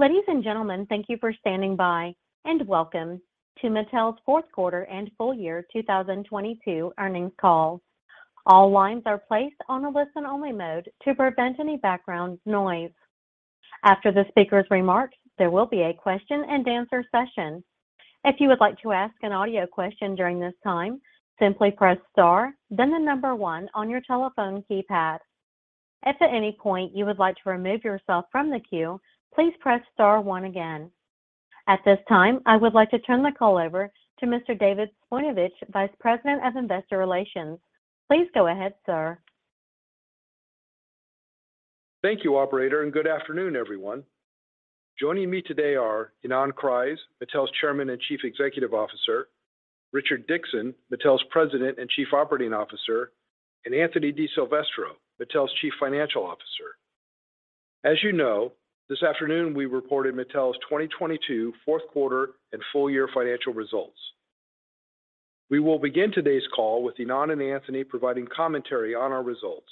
Ladies and gentlemen, thank you for standing by, and welcome to Mattel's fourth quarter and full year 2022 earnings call. All lines are placed on a listen-only mode to prevent any background noise. After the speaker's remarks, there will be a question-and-answer session. If you would like to ask an audio question during this time, simply press star then the 1 on your telephone keypad. If at any point you would like to remove yourself from the queue, please press star one again. At this time, I would like to turn the call over to Mr. David Zbojniewicz, Vice President of Investor Relations. Please go ahead, sir. Thank you, operator. Good afternoon, everyone. Joining me today are Ynon Kreiz, Mattel's Chairman and Chief Executive Officer, Richard Dickson, Mattel's President and Chief Operating Officer, and Anthony DiSilvestro, Mattel's Chief Financial Officer. As you know, this afternoon we reported Mattel's 2022 fourth quarter and full year financial results. We will begin today's call with Ynon and Anthony providing commentary on our results.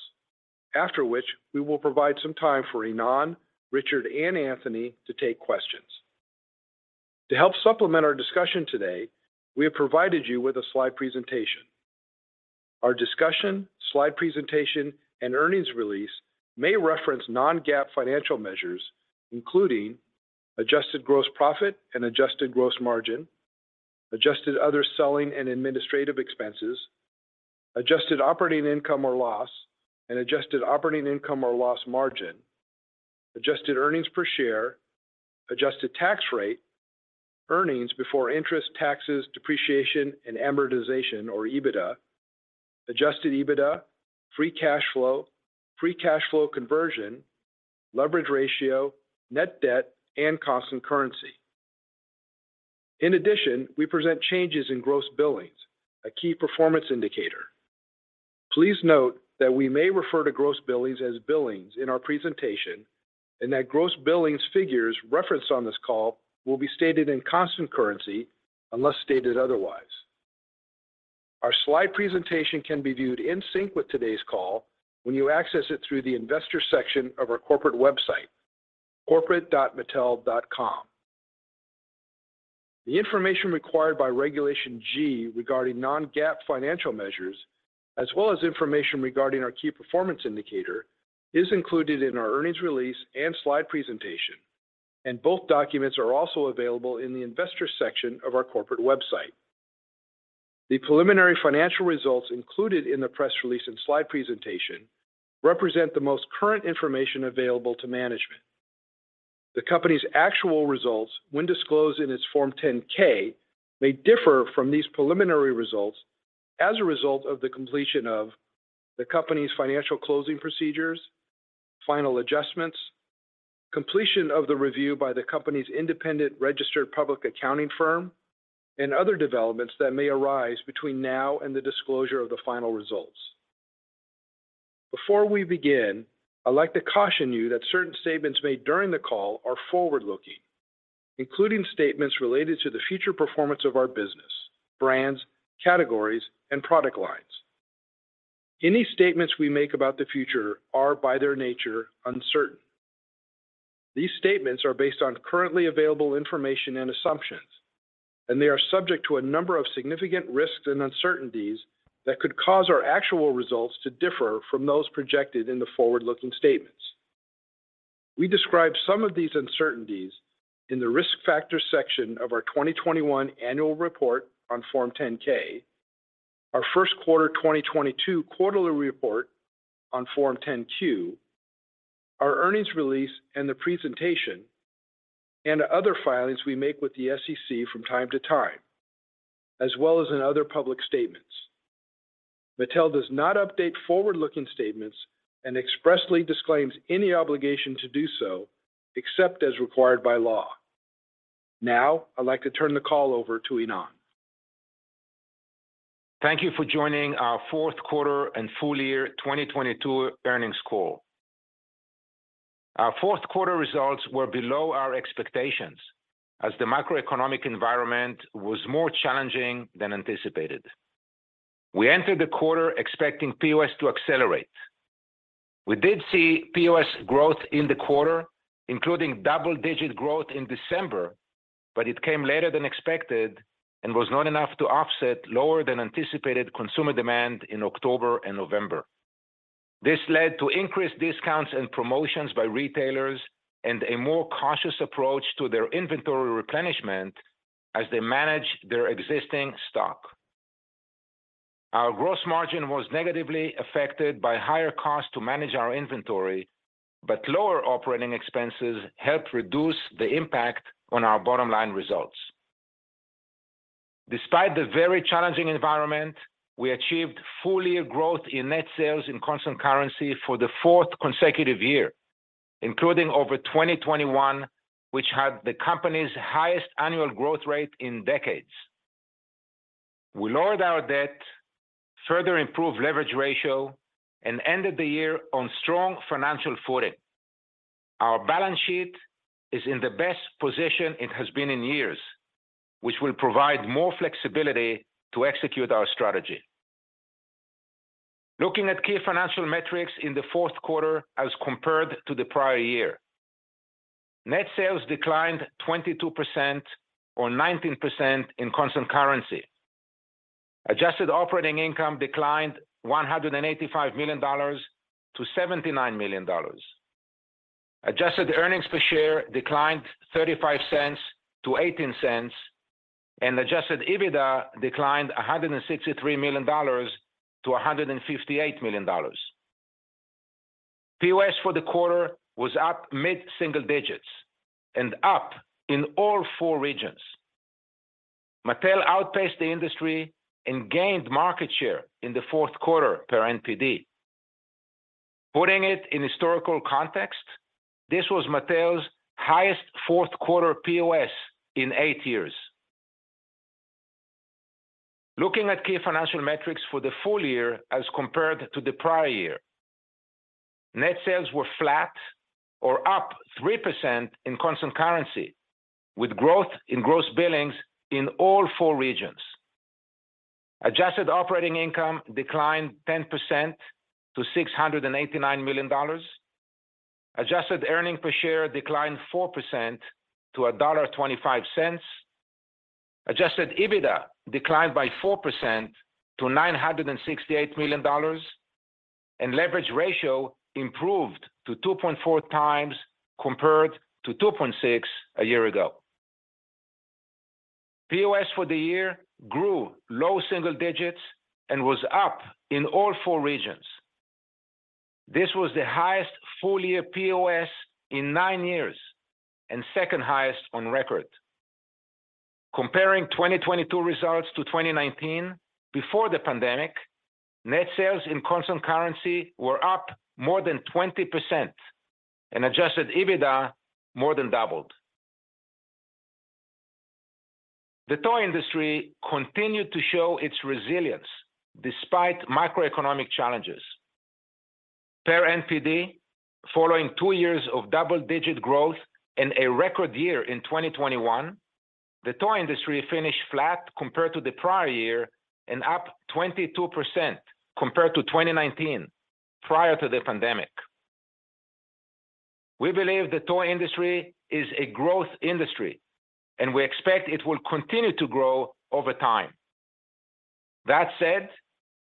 After which, we will provide some time for Ynon, Richard, and Anthony to take questions. To help supplement our discussion today, we have provided you with a slide presentation. Our discussion, slide presentation, and earnings release may reference non-GAAP financial measures, including adjusted gross profit and adjusted gross margin, adjusted other selling and administrative expenses, adjusted operating income or loss and adjusted operating income or loss margin, adjusted earnings per share, adjusted tax rate, earnings before interest, taxes, depreciation, and amortization or EBITDA, adjusted EBITDA, free cash flow, free cash flow conversion, leverage ratio, net debt, and cost and currency. In addition, we present changes in gross billings, a key performance indicator. Please note that we may refer to gross billings as billings in our presentation, and that gross billings figures referenced on this call will be stated in constant currency unless stated otherwise. Our slide presentation can be viewed in sync with today's call when you access it through the investor section of our corporate website, corporate.mattel.com. The information required by Regulation G regarding non-GAAP financial measures, as well as information regarding our key performance indicator, is included in our earnings release and slide presentation. Both documents are also available in the investor section of our corporate website. The preliminary financial results included in the press release and slide presentation represent the most current information available to management. The company's actual results, when disclosed in its Form 10-K, may differ from these preliminary results as a result of the completion of the company's financial closing procedures, final adjustments, completion of the review by the company's independent registered public accounting firm, and other developments that may arise between now and the disclosure of the final results. Before we begin, I'd like to caution you that certain statements made during the call are forward-looking, including statements related to the future performance of our business, brands, categories, and product lines. Any statements we make about the future are, by their nature, uncertain. These statements are based on currently available information and assumptions, and they are subject to a number of significant risks and uncertainties that could cause our actual results to differ from those projected in the forward-looking statements. We describe some of these uncertainties in the Risk Factors section of our 2021 Annual Report on Form 10-K, our first quarter 2022 Quarterly Report on Form 10-Q, our earnings release and the presentation, and other filings we make with the SEC from time to time, as well as in other public statements. Mattel does not update forward-looking statements and expressly disclaims any obligation to do so, except as required by law. Now, I'd like to turn the call over to Ynon. Thank you for joining our fourth quarter and full year 2022 earnings call. Our fourth quarter results were below our expectations as the macroeconomic environment was more challenging than anticipated. We entered the quarter expecting POS to accelerate. We did see POS growth in the quarter, including double-digit growth in December. It came later than expected and was not enough to offset lower than anticipated consumer demand in October and November. This led to increased discounts and promotions by retailers and a more cautious approach to their inventory replenishment as they manage their existing stock. Our gross margin was negatively affected by higher costs to manage our inventory. Lower operating expenses helped reduce the impact on our bottom line results. Despite the very challenging environment, we achieved full year growth in net sales in constant currency for the fourth consecutive year, including over 2021, which had the company's highest annual growth rate in decades. We lowered our debt, further improved leverage ratio, and ended the year on strong financial footing. Our balance sheet is in the best position it has been in years, which will provide more flexibility to execute our strategy. Looking at key financial metrics in the fourth quarter as compared to the prior year. Net sales declined 22% or 19% in constant currency. Adjusted operating income declined $185 million to $79 million. Adjusted earnings per share declined $0.35 to $0.18, and adjusted EBITDA declined $163 million to $158 million. POS for the quarter was up mid-single digits and up in all four regions. Mattel outpaced the industry and gained market share in the fourth quarter per NPD. Putting it in historical context, this was Mattel's highest fourth quarter POS in eight years. Looking at key financial metrics for the full year as compared to the prior year. Net sales were flat or up 3% in constant currency, with growth in gross billings in all four regions. Adjusted operating income declined 10% to $689 million. Adjusted earning per share declined 4% to $1.25. Adjusted EBITDA declined by 4% to $968 million, and leverage ratio improved to 2.4x compared to 2.6x a year ago. POS for the year grew low single digits and was up in all four regions. This was the highest full-year POS in nine years and second highest on record. Comparing 2022 results to 2019 before the pandemic, net sales in constant currency were up more than 20% and adjusted EBITDA more than doubled. The toy industry continued to show its resilience despite macroeconomic challenges. Per NPD, following two years of double-digit growth and a record year in 2021, the toy industry finished flat compared to the prior year and up 22% compared to 2019 prior to the pandemic. We believe the toy industry is a growth industry, and we expect it will continue to grow over time. That said,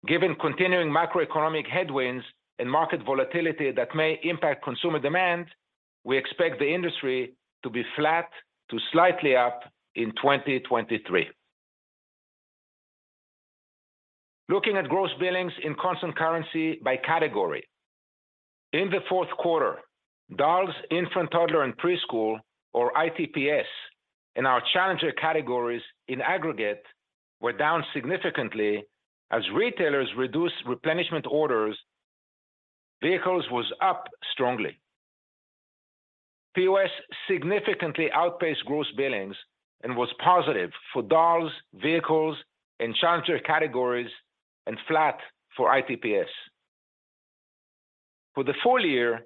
given continuing macroeconomic headwinds and market volatility that may impact consumer demand, we expect the industry to be flat to slightly up in 2023. Looking at gross billings in constant currency by category. In the fourth quarter, dolls, infant, toddler, and preschool, or ITPS, and our challenger categories in aggregate were down significantly as retailers reduced replenishment orders. Vehicles was up strongly. POS significantly outpaced gross billings and was positive for dolls, vehicles, and challenger categories, and flat for ITPS. For the full year,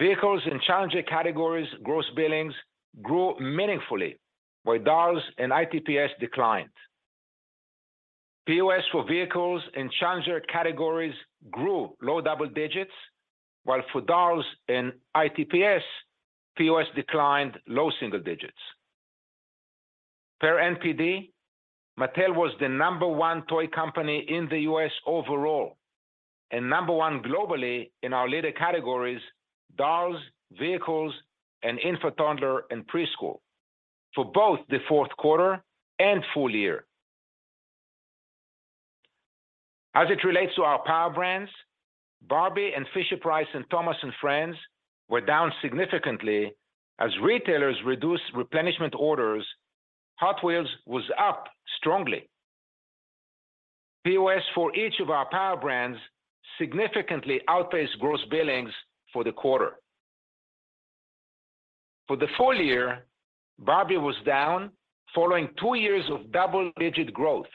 vehicles and challenger categories gross billings grew meaningfully, while dolls and ITPS declined. POS for vehicles and challenger categories grew low double digits, while for dolls and ITPS, POS declined low single digits. Per NPD, Mattel was the number one toy company in the U.S. overall and number one globally in our leader categories dolls, vehicles, and infant, toddler, and preschool for both the fourth quarter and full year. As it relates to our power brands, Barbie and Fisher-Price and Thomas & Friends were down significantly as retailers reduced replenishment orders. Hot Wheels was up strongly. POS for each of our power brands significantly outpaced gross billings for the quarter. For the full year, Barbie was down following two years of double-digit growth,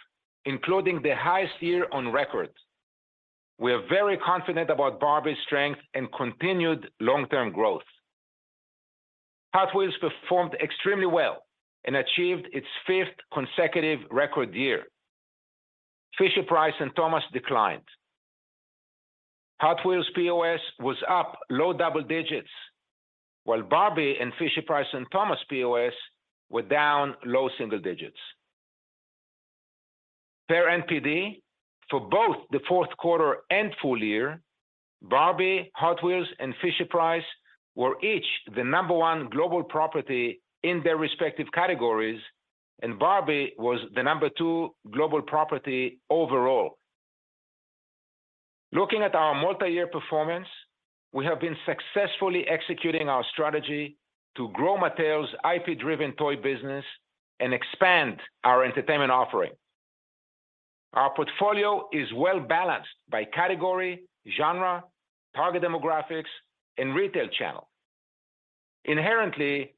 including the highest year on record. We are very confident about Barbie's strength and continued long-term growth. Hot Wheels performed extremely well and achieved its fifth consecutive record year. Fisher-Price and Thomas declined. Hot Wheels POS was up low double digits, while Barbie and Fisher-Price and Thomas POS were down low single digits. Per NPD, for both the fourth quarter and full year, Barbie, Hot Wheels and Fisher-Price were each the number one global property in their respective categories, and Barbie was the number two global property overall. Looking at our multi-year performance, we have been successfully executing our strategy to grow Mattel's IP-driven toy business and expand our entertainment offering. Our portfolio is well-balanced by category, genre, target demographics, and retail channel. Inherently,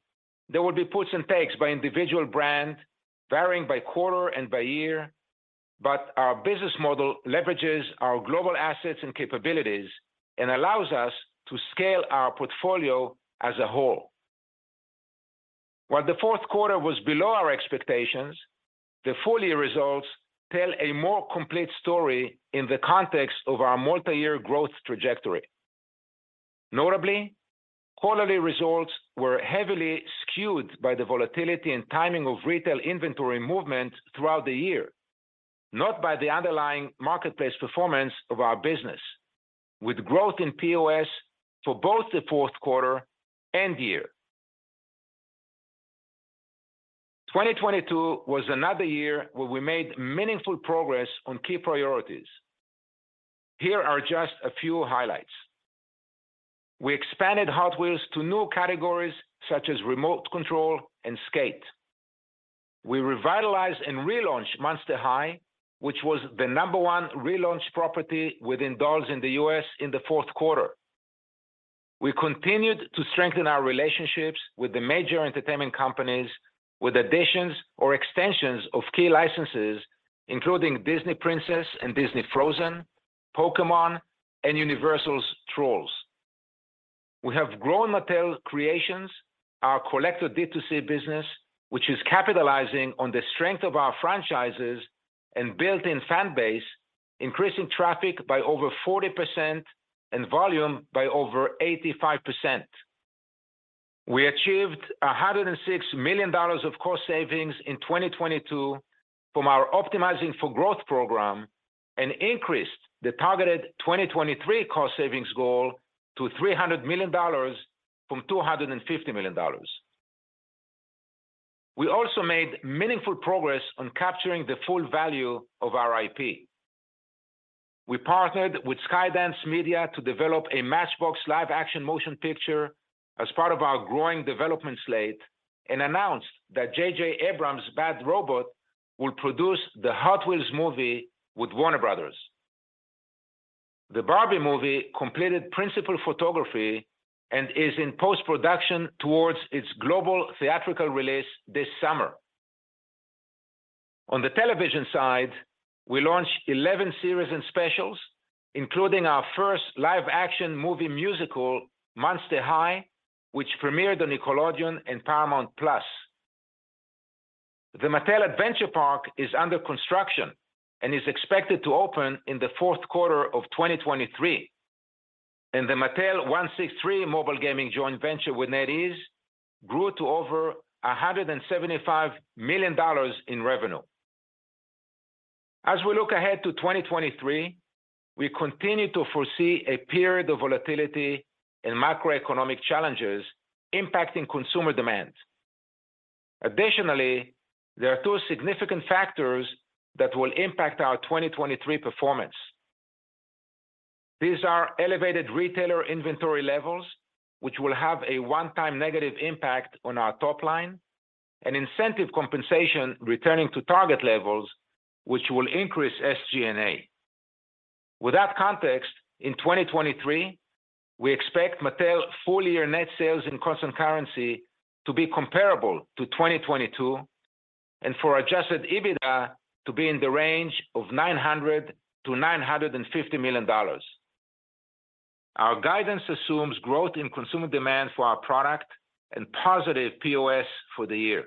there will be puts and takes by individual brand, varying by quarter and by year, but our business model leverages our global assets and capabilities and allows us to scale our portfolio as a whole. While the fourth quarter was below our expectations, the full year results tell a more complete story in the context of our multi-year growth trajectory. Notably, quarterly results were heavily skewed by the volatility and timing of retail inventory movement throughout the year, not by the underlying marketplace performance of our business. With growth in POS for both the fourth quarter and year. 2022 was another year where we made meaningful progress on key priorities. Here are just a few highlights. We expanded Hot Wheels to new categories such as remote control and skate. We revitalized and relaunched Monster High, which was the number one relaunch property within dolls in the U.S. in the fourth quarter. We continued to strengthen our relationships with the major entertainment companies with additions or extensions of key licenses, including Disney Princess and Disney Frozen, Pokémon, and Universal's Trolls. We have grown Mattel Creations, our collector D2C business, which is capitalizing on the strength of our franchises and built-in fan base, increasing traffic by over 40% and volume by over 85%. We achieved $106 million of cost savings in 2022 from our Optimizing for Growth program and increased the targeted 2023 cost savings goal to $300 million from $250 million. We also made meaningful progress on capturing the full value of our IP. We partnered with Skydance Media to develop a Matchbox live action motion picture as part of our growing development slate and announced that J.J. Abrams' Bad Robot will produce the Hot Wheels movie with Warner Bros. The Barbie movie completed principal photography and is in post-production towards its global theatrical release this summer. On the television side, we launched 11 series and specials, including our first live action movie musical, Monster High, which premiered on Nickelodeon and Paramount+. The Mattel Adventure Park is under construction and is expected to open in the fourth quarter of 2023, and the Mattel163 mobile gaming joint venture with NetEase grew to over $175 million in revenue. As we look ahead to 2023, we continue to foresee a period of volatility and macroeconomic challenges impacting consumer demand. Additionally, there are two significant factors that will impact our 2023 performance. These are elevated retailer inventory levels, which will have a one-time negative impact on our top line, and incentive compensation returning to target levels, which will increase SG&A. With that context, in 2023, we expect Mattel full year net sales and constant currency to be comparable to 2022 and for adjusted EBITDA to be in the range of $900 million-$950 million. Our guidance assumes growth in consumer demand for our product and positive POS for the year.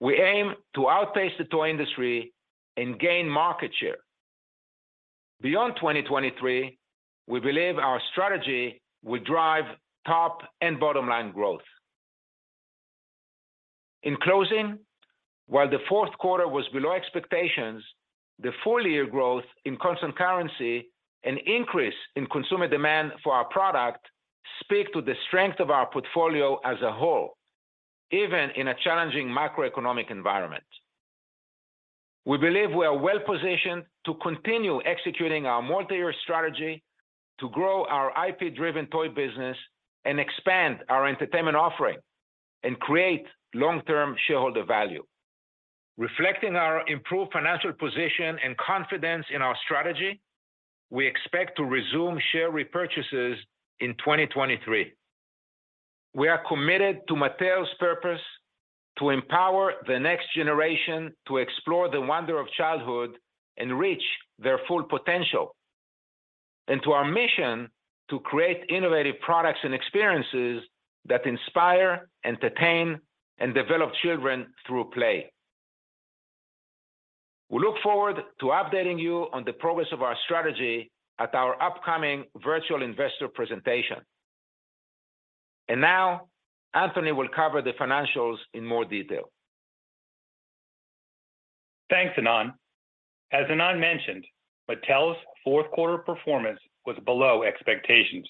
We aim to outpace the toy industry and gain market share. Beyond 2023, we believe our strategy will drive top and bottom line growth. In closing, while the fourth quarter was below expectations, the full year growth in constant currency and increase in consumer demand for our product speak to the strength of our portfolio as a whole, even in a challenging macroeconomic environment. We believe we are well-positioned to continue executing our multi-year strategy to grow our IP-driven toy business and expand our entertainment offering and create long-term shareholder value. Reflecting our improved financial position and confidence in our strategy, we expect to resume share repurchases in 2023. We are committed to Mattel's purpose to empower the next generation to explore the wonder of childhood and reach their full potential, and to our mission to create innovative products and experiences that inspire, entertain, and develop children through play. We look forward to updating you on the progress of our strategy at our upcoming virtual investor presentation. Now, Anthony will cover the financials in more detail. Thanks, Ynon. As Ynon mentioned, Mattel's fourth quarter performance was below expectations.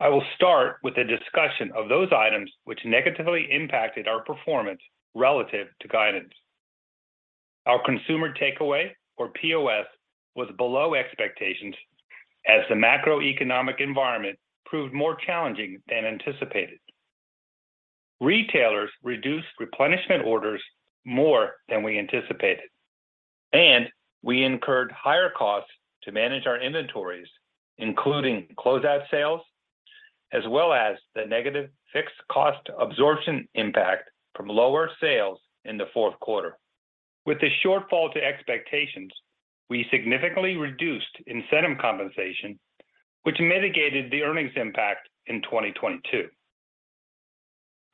I will start with a discussion of those items which negatively impacted our performance relative to guidance. Our consumer takeaway, or POS, was below expectations as the macroeconomic environment proved more challenging than anticipated. Retailers reduced replenishment orders more than we anticipated, and we incurred higher costs to manage our inventories, including closeout sales, as well as the negative fixed cost absorption impact from lower sales in the fourth quarter. With the shortfall to expectations, we significantly reduced incentive compensation, which mitigated the earnings impact in 2022.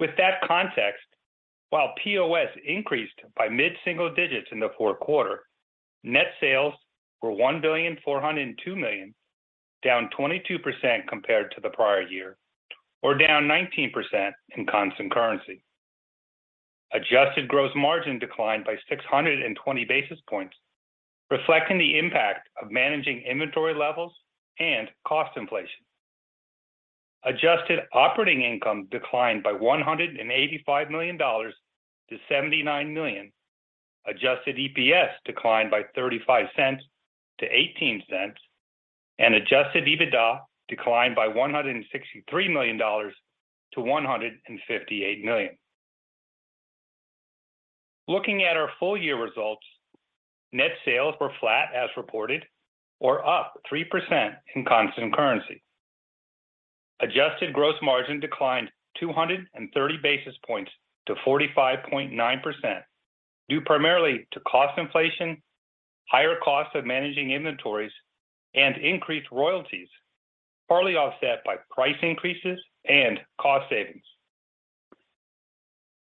With that context, while POS increased by mid single digits in the fourth quarter, net sales were $1.402 billion, down 22% compared to the prior year, or down 19% in constant currency. Adjusted gross margin declined by 620 basis points, reflecting the impact of managing inventory levels and cost inflation. Adjusted operating income declined by $185 million to $79 million. Adjusted EPS declined by $0.35 to $0.18, and adjusted EBITDA declined by $163 million to $158 million. Looking at our full year results, net sales were flat as reported, or up 3% in constant currency. Adjusted gross margin declined 230 basis points to 45.9% due primarily to cost inflation, higher costs of managing inventories and increased royalties, partly offset by price increases and cost savings.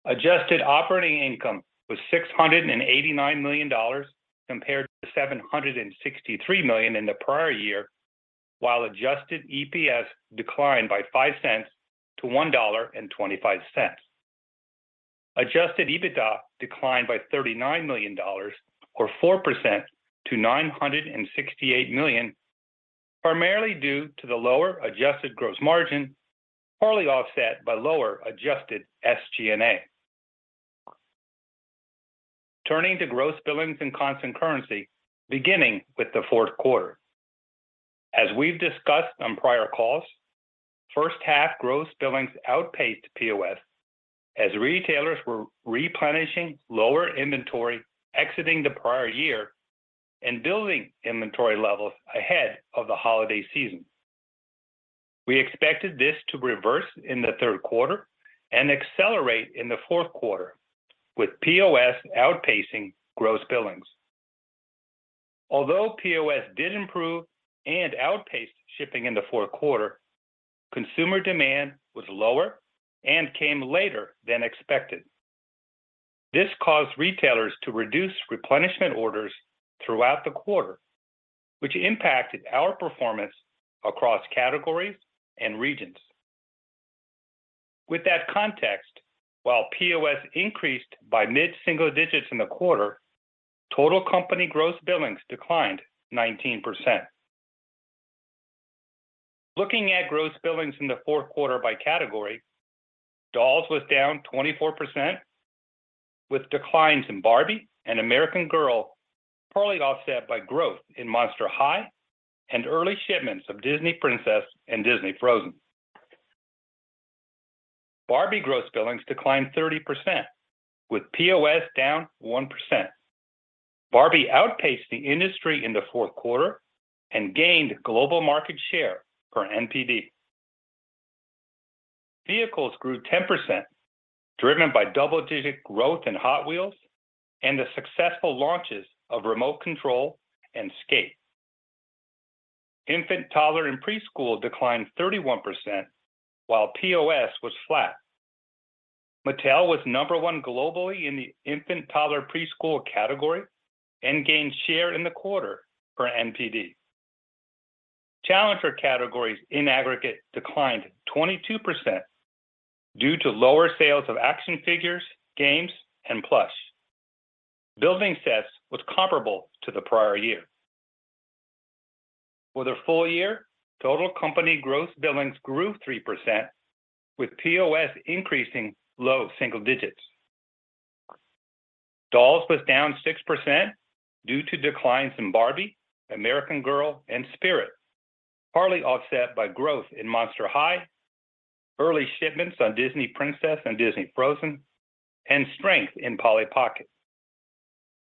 Adjusted operating income was $689 million compared to $763 million in the prior year, while adjusted EPS declined by $0.05 to $1.25. Adjusted EBITDA declined by $39 million or 4% to $968 million, primarily due to the lower adjusted gross margin, partly offset by lower adjusted SG&A. Turning to gross billings in constant currency, beginning with the fourth quarter. As we've discussed on prior calls, first half gross billings outpaced POS as retailers were replenishing lower inventory exiting the prior year and building inventory levels ahead of the holiday season. We expected this to reverse in the third quarter and accelerate in the fourth quarter with POS outpacing gross billings. Although POS did improve and outpaced shipping in the fourth quarter, consumer demand was lower and came later than expected. This caused retailers to reduce replenishment orders throughout the quarter, which impacted our performance across categories and regions. With that context, while POS increased by mid single digits in the quarter, total company gross billings declined 19%. Looking at gross billings in the fourth quarter by category, dolls was down 24%, with declines in Barbie and American Girl, partly offset by growth in Monster High and early shipments of Disney Princess and Disney Frozen. Barbie gross billings declined 30%, with POS down 1%. Barbie outpaced the industry in the fourth quarter and gained global market share per NPD. Vehicles grew 10%, driven by double-digit growth in Hot Wheels and the successful launches of remote control and skate. Infant, toddler, and preschool declined 31%, while POS was flat. Mattel was number one globally in the infant, toddler, preschool category and gained share in the quarter for NPD. Challenger categories in aggregate declined 22% due to lower sales of action figures, games, and plush. Building sets was comparable to the prior year. For the full year, total company gross billings grew 3%, with POS increasing low single digits. Dolls was down 6% due to declines in Barbie, American Girl, and Spirit, partly offset by growth in Monster High, early shipments on Disney Princess and Disney Frozen, and strength in Polly Pocket.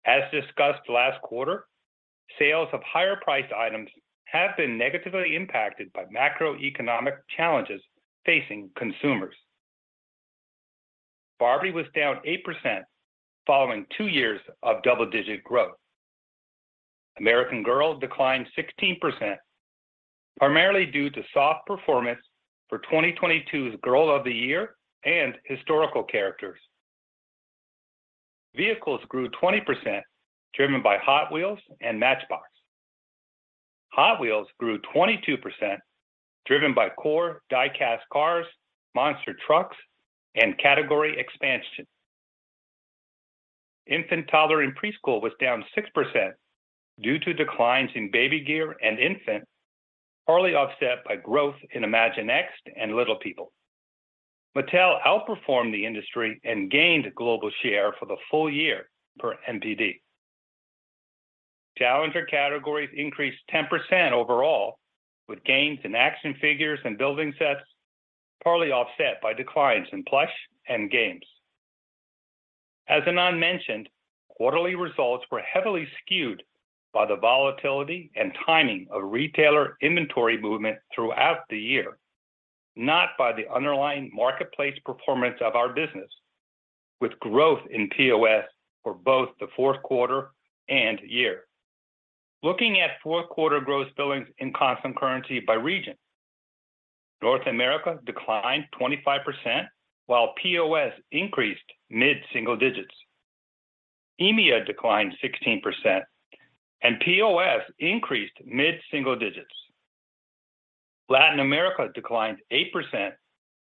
As discussed last quarter, sales of higher priced items have been negatively impacted by macroeconomic challenges facing consumers. Barbie was down 8% following two years of double-digit growth. American Girl declined 16%, primarily due to soft performance for 2022's Girl of the Year and historical characters. Vehicles grew 20%, driven by Hot Wheels and Matchbox. Hot Wheels grew 22%, driven by core die-cast cars, monster trucks, and category expansion. Infant, toddler, and preschool was down 6% due to declines in baby gear and infant, partly offset by growth in Imaginext and Little People. Mattel outperformed the industry and gained global share for the full year per NPD. Challenger categories increased 10% overall, with gains in action figures and building sets, partly offset by declines in plush and games. As Ynon mentioned, quarterly results were heavily skewed by the volatility and timing of retailer inventory movement throughout the year. Not by the underlying marketplace performance of our business, with growth in POS for both the fourth quarter and year. Looking at fourth quarter gross billings in constant currency by region, North America declined 25%, while POS increased mid-single digits. EMEA declined 16%, and POS increased mid-single digits. Latin America declined 8%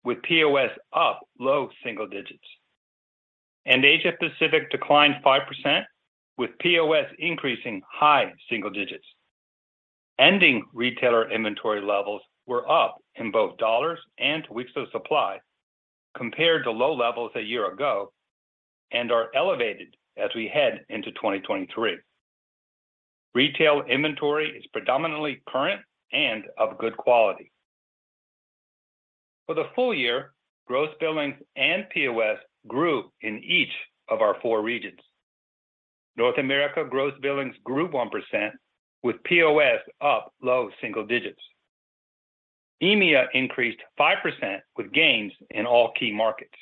with POS up low single digits. Asia Pacific declined 5% with POS increasing high single digits. Ending retailer inventory levels were up in both dollars and weeks of supply compared to low levels a year ago and are elevated as we head into 2023. Retail inventory is predominantly current and of good quality. For the full year, gross billings and POS grew in each of our four regions. North America gross billings grew 1% with POS up low single digits. EMEA increased 5% with gains in all key markets.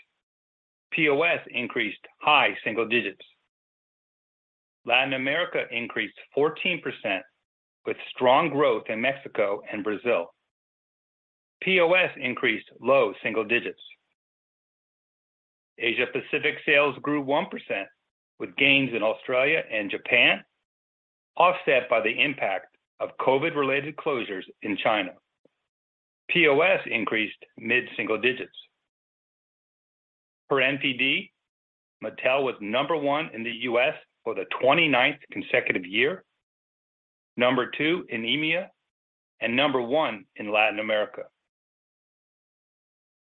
POS increased high single digits. Latin America increased 14% with strong growth in Mexico and Brazil. POS increased low single digits. Asia Pacific sales grew 1% with gains in Australia and Japan, offset by the impact of COVID-related closures in China. POS increased mid-single digits. Per NPD, Mattel was number one in the U.S. for the twenty-ninth consecutive year, number two in EMEA, and number one in Latin America.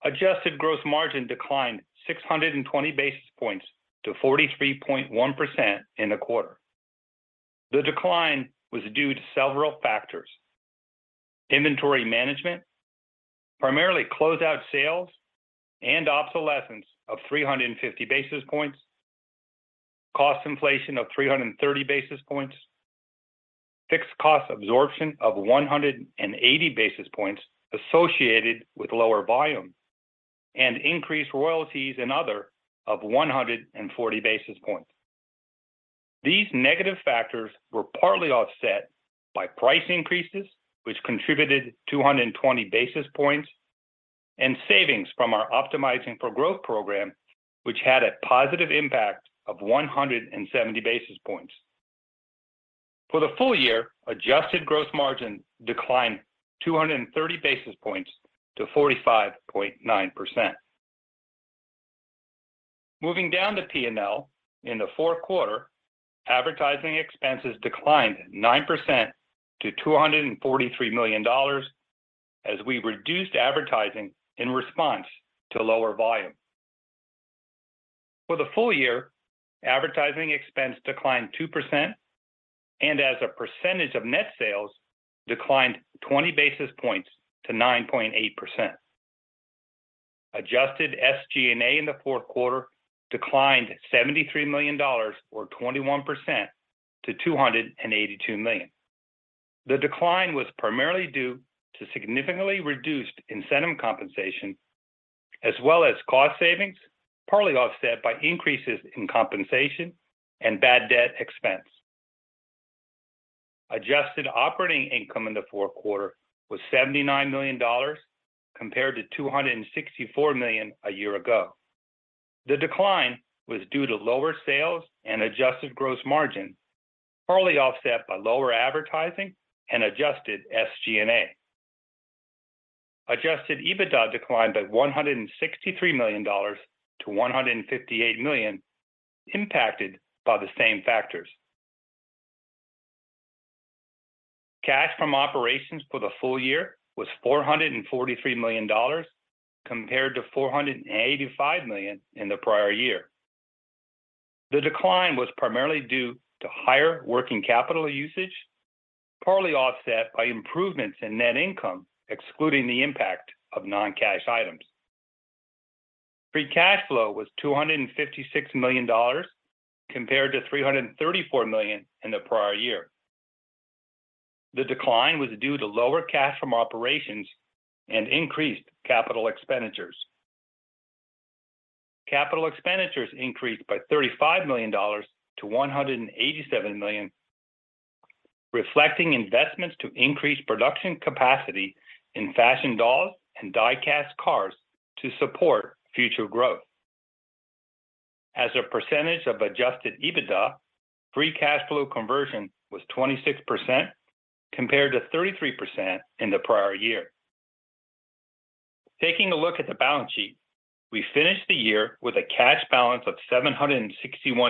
Adjusted gross margin declined 620 basis points to 43.1% in the quarter. The decline was due to several factors: inventory management, primarily closeout sales and obsolescence of 350 basis points, cost inflation of 330 basis points, fixed cost absorption of 180 basis points associated with lower volume, and increased royalties and other of 140 basis points. These negative factors were partly offset by price increases, which contributed 220 basis points, and savings from our Optimizing for Growth program, which had a positive impact of 170 basis points. For the full year, adjusted gross margin declined 230 basis points to 45.9%. Moving down to P&L, in the fourth quarter, advertising expenses declined 9% to $243 million as we reduced advertising in response to lower volume. For the full year, advertising expense declined 2% and as a percentage of net sales declined 20 basis points to 9.8%. Adjusted SG&A in the fourth quarter declined $73 million or 21% to $282 million. The decline was primarily due to significantly reduced incentive compensation as well as cost savings, partly offset by increases in compensation and bad debt expense. Adjusted operating income in the fourth quarter was $79 million compared to $264 million a year ago. The decline was due to lower sales and adjusted gross margin, partly offset by lower advertising and adjusted SG&A. Adjusted EBITDA declined by $163 million to $158 million impacted by the same factors. Cash from operations for the full year was $443 million compared to $485 million in the prior year. The decline was primarily due to higher working capital usage, partly offset by improvements in net income, excluding the impact of non-cash items. Free cash flow was $256 million compared to $334 million in the prior year. The decline was due to lower cash from operations and increased capital expenditures. Capital expenditures increased by $35 million to $187 million, reflecting investments to increase production capacity in fashion dolls and die-cast cars to support future growth. As a percentage of adjusted EBITDA, free cash flow conversion was 26% compared to 33% in the prior year. Taking a look at the balance sheet, we finished the year with a cash balance of $761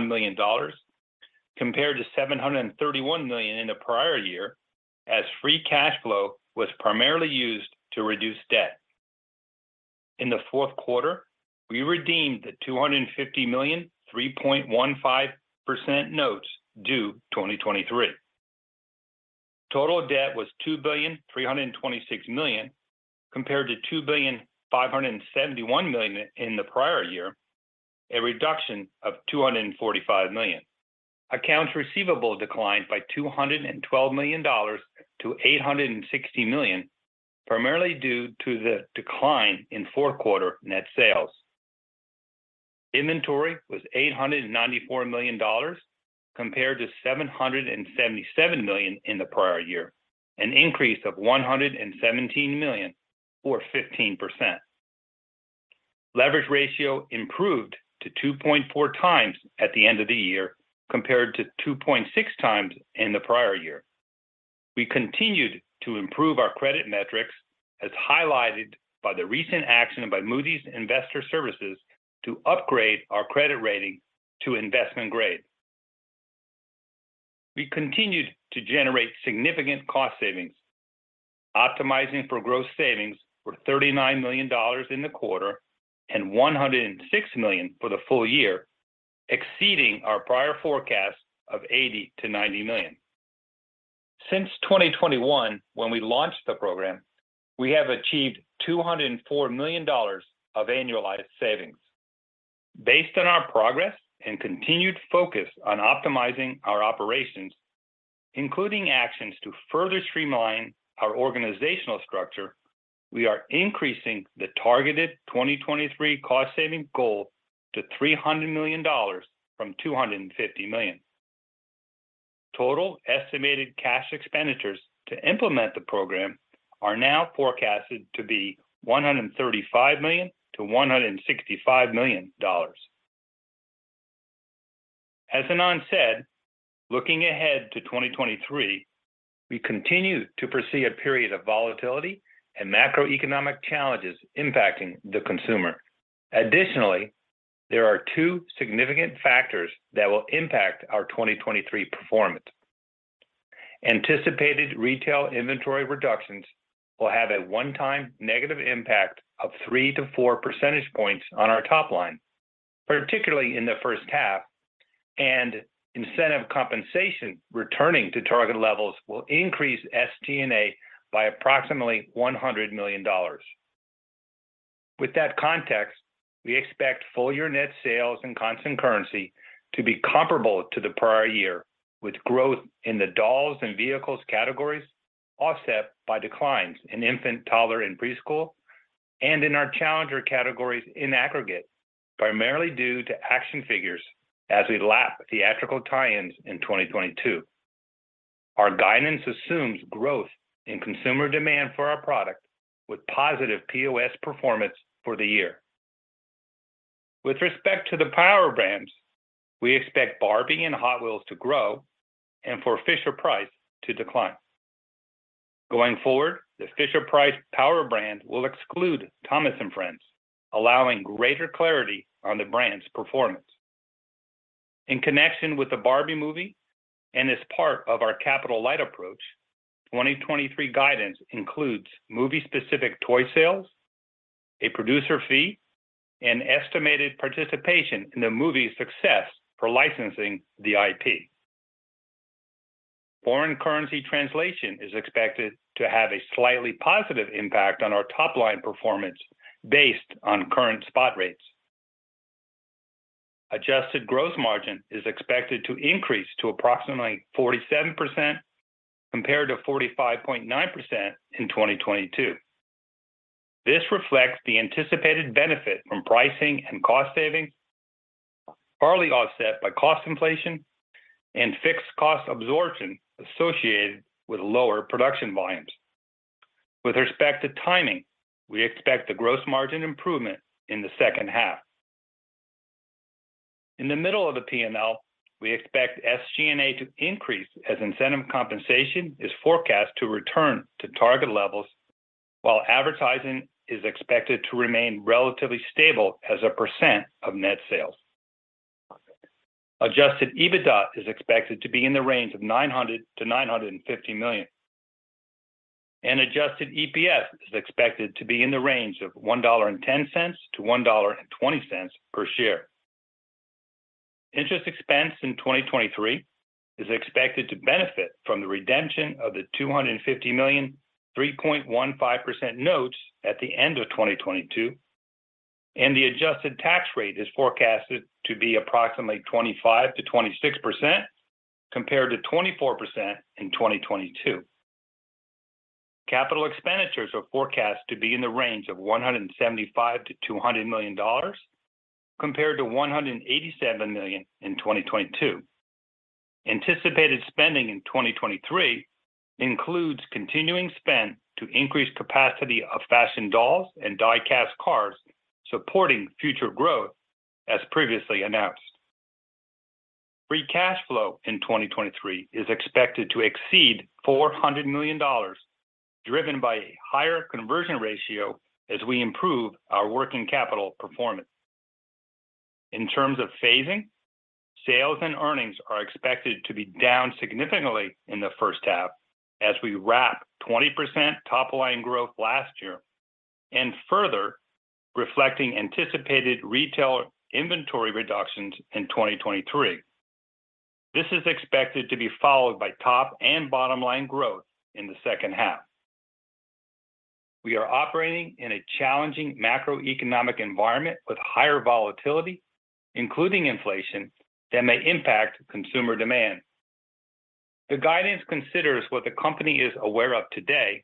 million compared to $731 million in the prior year as free cash flow was primarily used to reduce debt. In the fourth quarter, we redeemed the $250 million 3.15% notes due 2023. Total debt was $2.326 billion compared to $2.571 billion in the prior year. A reduction of $245 million. Accounts receivable declined by $212 million to $860 million, primarily due to the decline in fourth quarter net sales. Inventory was $894 million compared to $777 million in the prior year, an increase of $117 million or 15%. Leverage ratio improved to 2.4x at the end of the year compared to 2.6x in the prior year. We continued to improve our credit metrics as highlighted by the recent action by Moody's Investors Service to upgrade our credit rating to investment grade. We continued to generate significant cost savings, optimizing for gross savings for $39 million in the quarter and $106 million for the full year, exceeding our prior forecast of $80 million-$90 million. Since 2021, when we launched the program, we have achieved $204 million of annualized savings. Based on our progress and continued focus on optimizing our operations, including actions to further streamline our organizational structure, we are increasing the targeted 2023 cost-saving goal to $300 million from $250 million. Total estimated cash expenditures to implement the program are now forecasted to be $135 million-$165 million. As Ynon said, looking ahead to 2023, we continue to foresee a period of volatility and macroeconomic challenges impacting the consumer. Additionally, there are two significant factors that will impact our 2023 performance. Anticipated retail inventory reductions will have a one-time negative impact of three to four percentage points on our top line, particularly in the first half, and incentive compensation returning to target levels will increase STNA by approximately $100 million. With that context, we expect full-year net sales and constant currency to be comparable to the prior year, with growth in the dolls and vehicles categories offset by declines in infant, toddler, and preschool, and in our challenger categories in aggregate, primarily due to action figures as we lap theatrical tie-ins in 2022. Our guidance assumes growth in consumer demand for our product with positive POS performance for the year. With respect to the Power Brands, we expect Barbie and Hot Wheels to grow and for Fisher-Price to decline. Going forward, the Fisher-Price Power Brand will exclude Thomas & Friends, allowing greater clarity on the brand's performance. In connection with the Barbie movie and as part of our capital-light approach, 2023 guidance includes movie-specific toy sales, a producer fee, and estimated participation in the movie's success for licensing the IP. Foreign currency translation is expected to have a slightly positive impact on our top-line performance based on current spot rates. Adjusted gross margin is expected to increase to approximately 47% compared to 45.9% in 2022. This reflects the anticipated benefit from pricing and cost savings, partly offset by cost inflation and fixed cost absorption associated with lower production volumes. With respect to timing, we expect the gross margin improvement in the second half. In the middle of the P&L, we expect SG&A to increase as incentive compensation is forecast to return to target levels, while advertising is expected to remain relatively stable as a percent of net sales. Adjusted EBITDA is expected to be in the range of $900 million-$950 million. Adjusted EPS is expected to be in the range of $1.10-$1.20 per share. Interest expense in 2023 is expected to benefit from the redemption of the $250 million 3.15% notes at the end of 2022. The adjusted tax rate is forecasted to be approximately 25%-26% compared to 24% in 2022. Capital expenditures are forecast to be in the range of $175 million-$200 million compared to $187 million in 2022. Anticipated spending in 2023 includes continuing spend to increase capacity of fashion dolls and die-cast cars supporting future growth as previously announced. Free cash flow in 2023 is expected to exceed $400 million, driven by a higher conversion ratio as we improve our working capital performance. In terms of phasing, sales and earnings are expected to be down significantly in the first half as we wrap 20% top-line growth last year and further reflecting anticipated retail inventory reductions in 2023. This is expected to be followed by top and bottom line growth in the second half. We are operating in a challenging macroeconomic environment with higher volatility, including inflation, that may impact consumer demand. The guidance considers what the company is aware of today,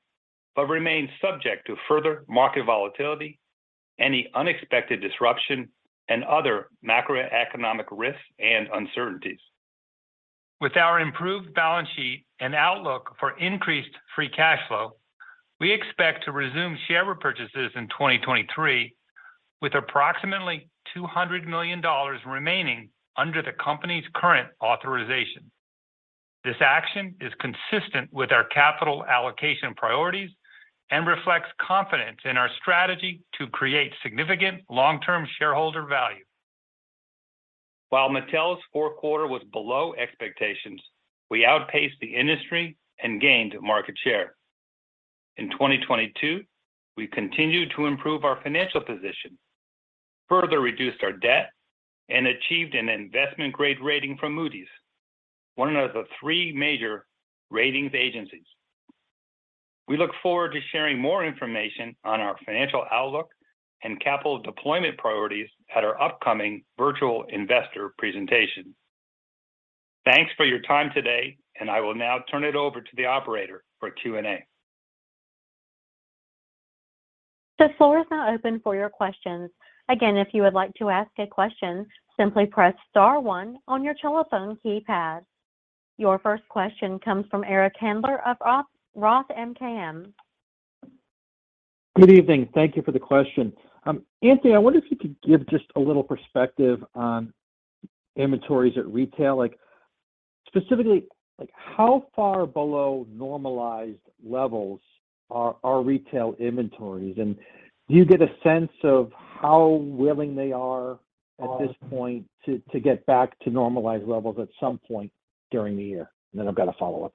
but remains subject to further market volatility, any unexpected disruption, and other macroeconomic risks and uncertainties. With our improved balance sheet and outlook for increased free cash flow, we expect to resume share repurchases in 2023, with approximately $200 million remaining under the company's current authorization. This action is consistent with our capital allocation priorities and reflects confidence in our strategy to create significant long-term shareholder value. While Mattel's fourth quarter was below expectations, we outpaced the industry and gained market share. In 2022, we continued to improve our financial position, further reduced our debt, and achieved an investment grade rating from Moody's, one of the three major ratings agencies. We look forward to sharing more information on our financial outlook and capital deployment priorities at our upcoming virtual investor presentation. Thanks for your time today, and I will now turn it over to the operator for Q&A. The floor is now open for your questions. Again, if you would like to ask a question, simply press star one on your telephone keypad. Your first question comes from Eric Handler of Roth MKM. Good evening. Thank you for the question. Anthony, I wonder if you could give just a little perspective on inventories at retail. Specifically, how far below normalized levels are retail inventories? Do you get a sense of how willing they are at this point to get back to normalized levels at some point during the year? I've got a follow-up.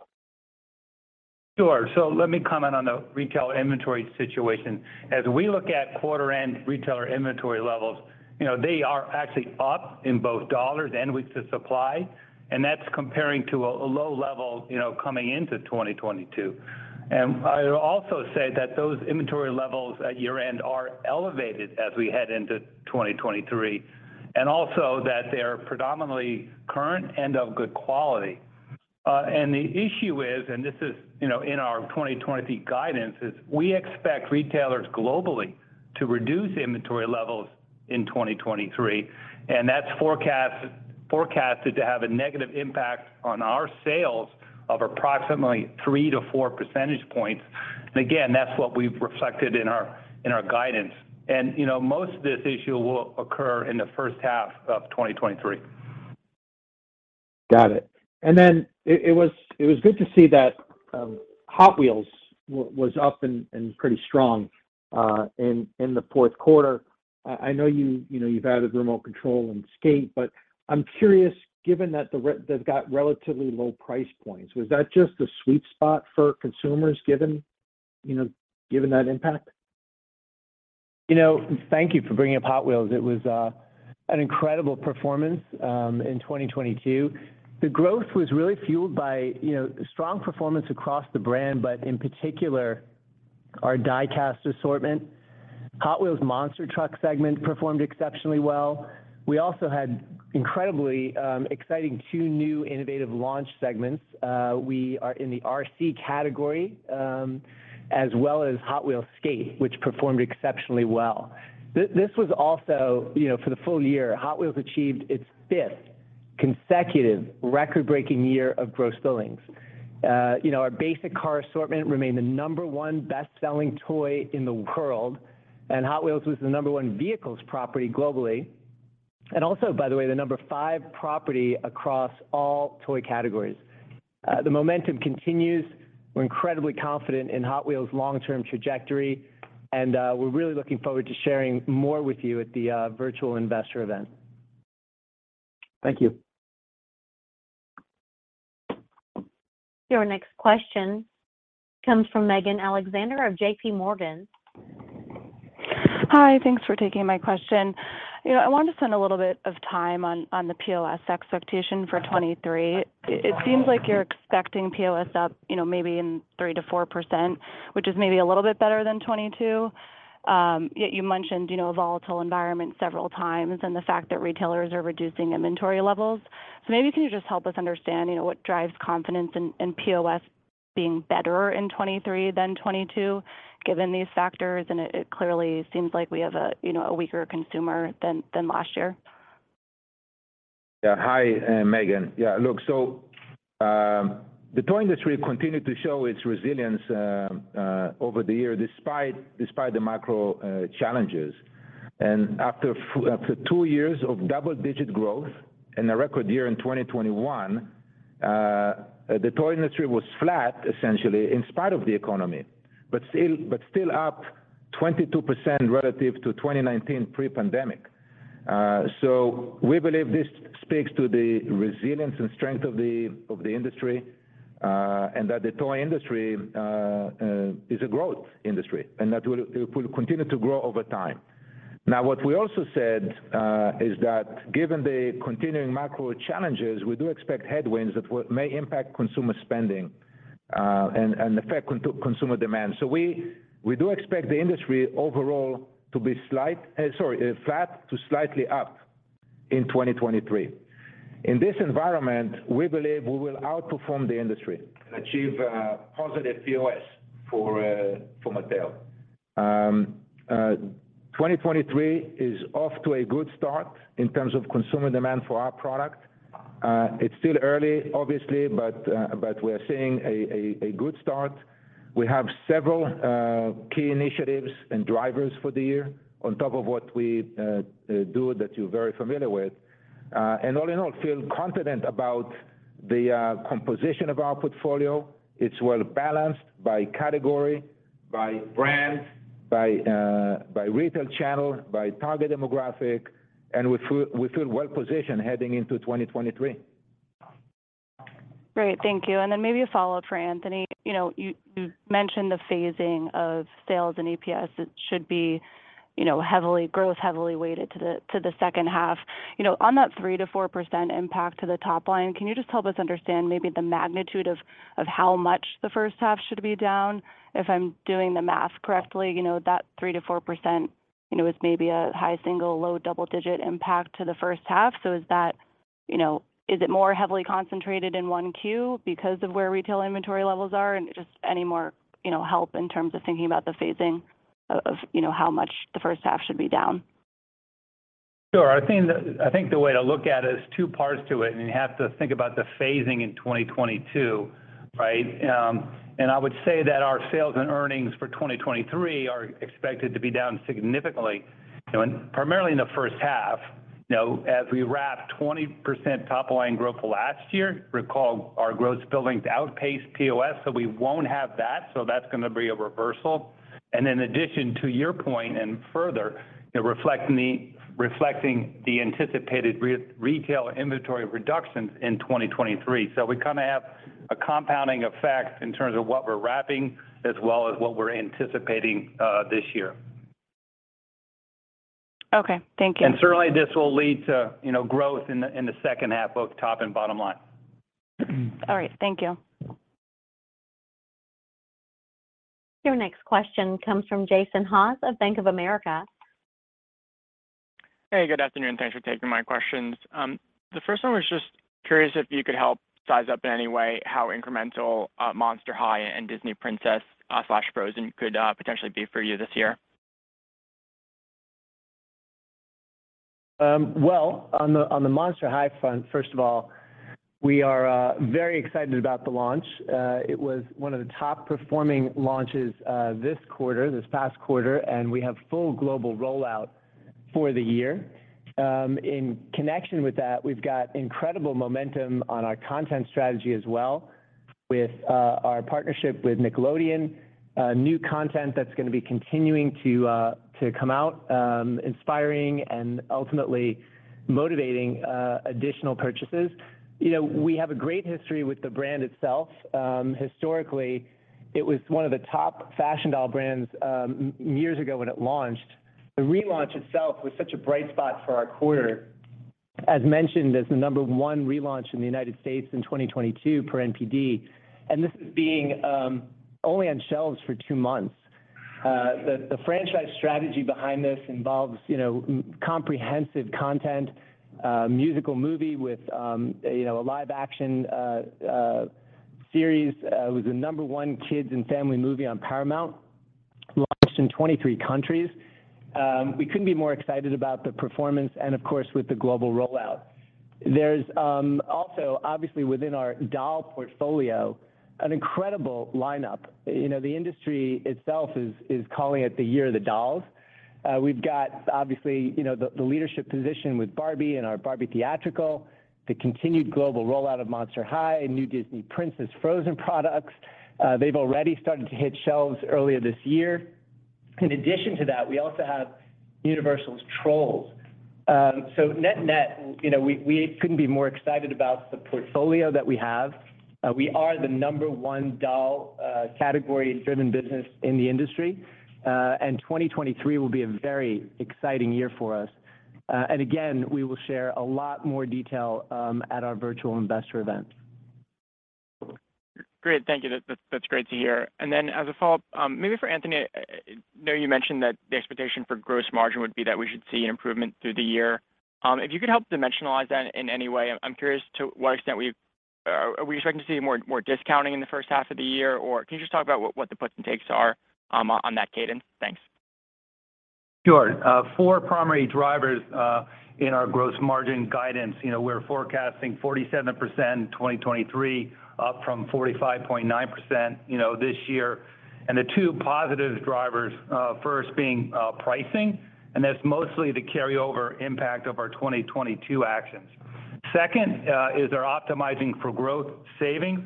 Sure. Let me comment on the retail inventory situation. As we look at quarter end retailer inventory levels, you know, they are actually up in both dollars and weeks of supply, and that's comparing to a low level, you know, coming into 2022. I'll also say that those inventory levels at year-end are elevated as we head into 2023, and also that they are predominantly current and of good quality. The issue is, and this is, you know, in our 2023 guidance, is we expect retailers globally to reduce inventory levels in 2023. That's forecasted to have a negative impact on our sales of approximately three to four percentage points. Again, that's what we've reflected in our guidance. You know, most of this issue will occur in the first half of 2023. Got it. Then it was good to see that Hot Wheels was up and pretty strong in the fourth quarter. I know you know you've added remote control and Skate, but I'm curious, given that they've got relatively low price points, was that just a sweet spot for consumers given, you know, that impact? You know, thank thank you for bringing up Hot Wheels. It was an incredible performance in 2022. The growth was really fueled by, you know, strong performance across the brand, but in particular, our die-cast assortment. Hot Wheels Monster Truck segment performed exceptionally well. We also had incredibly exciting two new innovative launch segments. We are in the RC category, as well as Hot Wheels Skate, which performed exceptionally well. This was also, you know, for the full year, Hot Wheels achieved its fifth consecutive record-breaking year of gross billings. You know, our basic car assortment remained the number one best-selling toy in the world, and Hot Wheels was the number one vehicles property globally, and also, by the way, the number five property across all toy categories. The momentum continues. We're incredibly confident in Hot Wheels' long-term trajectory, and we're really looking forward to sharing more with you at the virtual investor event. Thank you. Your next question comes from Megan Alexander of JPMorgan. Hi. Thanks for taking my question. You know, I wanted to spend a little bit of time on the POS expectation for 2023. It seems like you're expecting POS up, you know, maybe in 3%-4%, which is maybe a little bit better than 2022. Yet you mentioned, you know, a volatile environment several times and the fact that retailers are reducing inventory levels. Maybe can you just help us understand, you know, what drives confidence in POS being better in 2023 than 2022, given these factors? It clearly seems like we have a, you know, a weaker consumer than last year. Yeah. Hi, Megan. Yeah, look, the toy industry continued to show its resilience over the year, despite the macro challenges. After two years of double-digit growth and a record year in 2021, the toy industry was flat essentially in spite of the economy, but still up 22% relative to 2019 pre-pandemic. We believe this speaks to the resilience and strength of the industry, and that the toy industry is a growth industry, and it will continue to grow over time. Now what we also said, is that given the continuing macro challenges, we do expect headwinds that may impact consumer spending, and affect consumer demand. We do expect the industry overall to be flat to slightly up in 2023. In this environment, we believe we will outperform the industry and achieve positive POS for Mattel. 2023 is off to a good start in terms of consumer demand for our product. It's still early obviously, but we're seeing a good start. We have several key initiatives and drivers for the year on top of what we do that you're very familiar with. All in all feel confident about the composition of our portfolio. It's well-balanced by category, by brand, by retail channel, by target demographic, and we feel well-positioned heading into 2023. Great. Thank you. Then maybe a follow-up for Anthony. You know, you mentioned the phasing of sales and EPS. It should be, you know, heavily weighted to the second half. You know, on that 3%-4% impact to the top line, can you just help us understand maybe the magnitude of how much the first half should be down? If I'm doing the math correctly, you know, that 3%-4%, you know, is maybe a high single, low double-digit impact to the first half. Is that, you know, is it more heavily concentrated in 1Q because of where retail inventory levels are? Just any more, you know, help in terms of thinking about the phasing of, you know, how much the first half should be down? Sure. I think the way to look at it is two parts to it, you have to think about the phasing in 2022, right? I would say that our sales and earnings for 2023 are expected to be down significantly, you know, primarily in the first half. You know, as we wrap 20% top line growth last year, recall our gross billings outpaced POS, we won't have that's going to be a reversal. In addition to your point and further, you know, reflecting the anticipated re-retail inventory reductions in 2023. We kind of have a compounding effect in terms of what we're wrapping as well as what we're anticipating this year. Okay. Thank you. And certainly this will lead to, you know, growth in the, in the second half, both top and bottom line. All right. Thank you. Your next question comes from Jason Haas of Bank of America. Hey, good afternoon. Thanks for taking my questions. The first one was just curious if you could help size up in any way how incremental Monster High and Disney Princess slash Frozen could potentially be for you this year? Well, on the Monster High front, first of all, we are very excited about the launch. It was one of the top-performing launches this quarter, this past quarter, and we have full global rollout for the year. In connection with that, we've got incredible momentum on our content strategy as well with our partnership with Nickelodeon. New content that's gonna be continuing to come out, inspiring and ultimately motivating additional purchases. You know, we have a great history with the brand itself. Historically, it was one of the top fashion doll brands years ago when it launched. The relaunch itself was such a bright spot for our quarter. As mentioned as the number one relaunch in the United States in 2022 per NPD, and this is being only on shelves for two months. The franchise strategy behind this involves, you know, comprehensive content, musical movie with, you know, a live action series. It was the number one kids and family movie on Paramount+. Launched in 23 countries. We couldn't be more excited about the performance and of course, with the global rollout. There's also obviously within our doll portfolio, an incredible lineup. You know, the industry itself is calling it the year of the dolls. We've got obviously, you know, the leadership position with Barbie and our Barbie theatrical, the continued global rollout of Monster High, new Disney Princess Frozen products. They've already started to hit shelves earlier this year. In addition to that, we also have Universal's Trolls. Net-net, you know, we couldn't be more excited about the portfolio that we have. We are the number one doll, category driven business in the industry. 2023 will be a very exciting year for us. Again, we will share a lot more detail at our virtual investor event. Great. Thank you. That's great to hear. As a follow-up, maybe for Anthony, I know you mentioned that the expectation for gross margin would be that we should see an improvement through the year. If you could help dimensionalize that in any way. I'm curious to what extent Are we expecting to see more discounting in the first half of the year? Can you just talk about what the puts and takes are on that cadence? Thanks. Sure. Four primary drivers in our gross margin guidance. You know, we're forecasting 47% in 2023, up from 45.9%, you know, this year. The two positive drivers, first being pricing, and that's mostly the carryover impact of our 2022 actions. Second, is our Optimizing for Growth savings.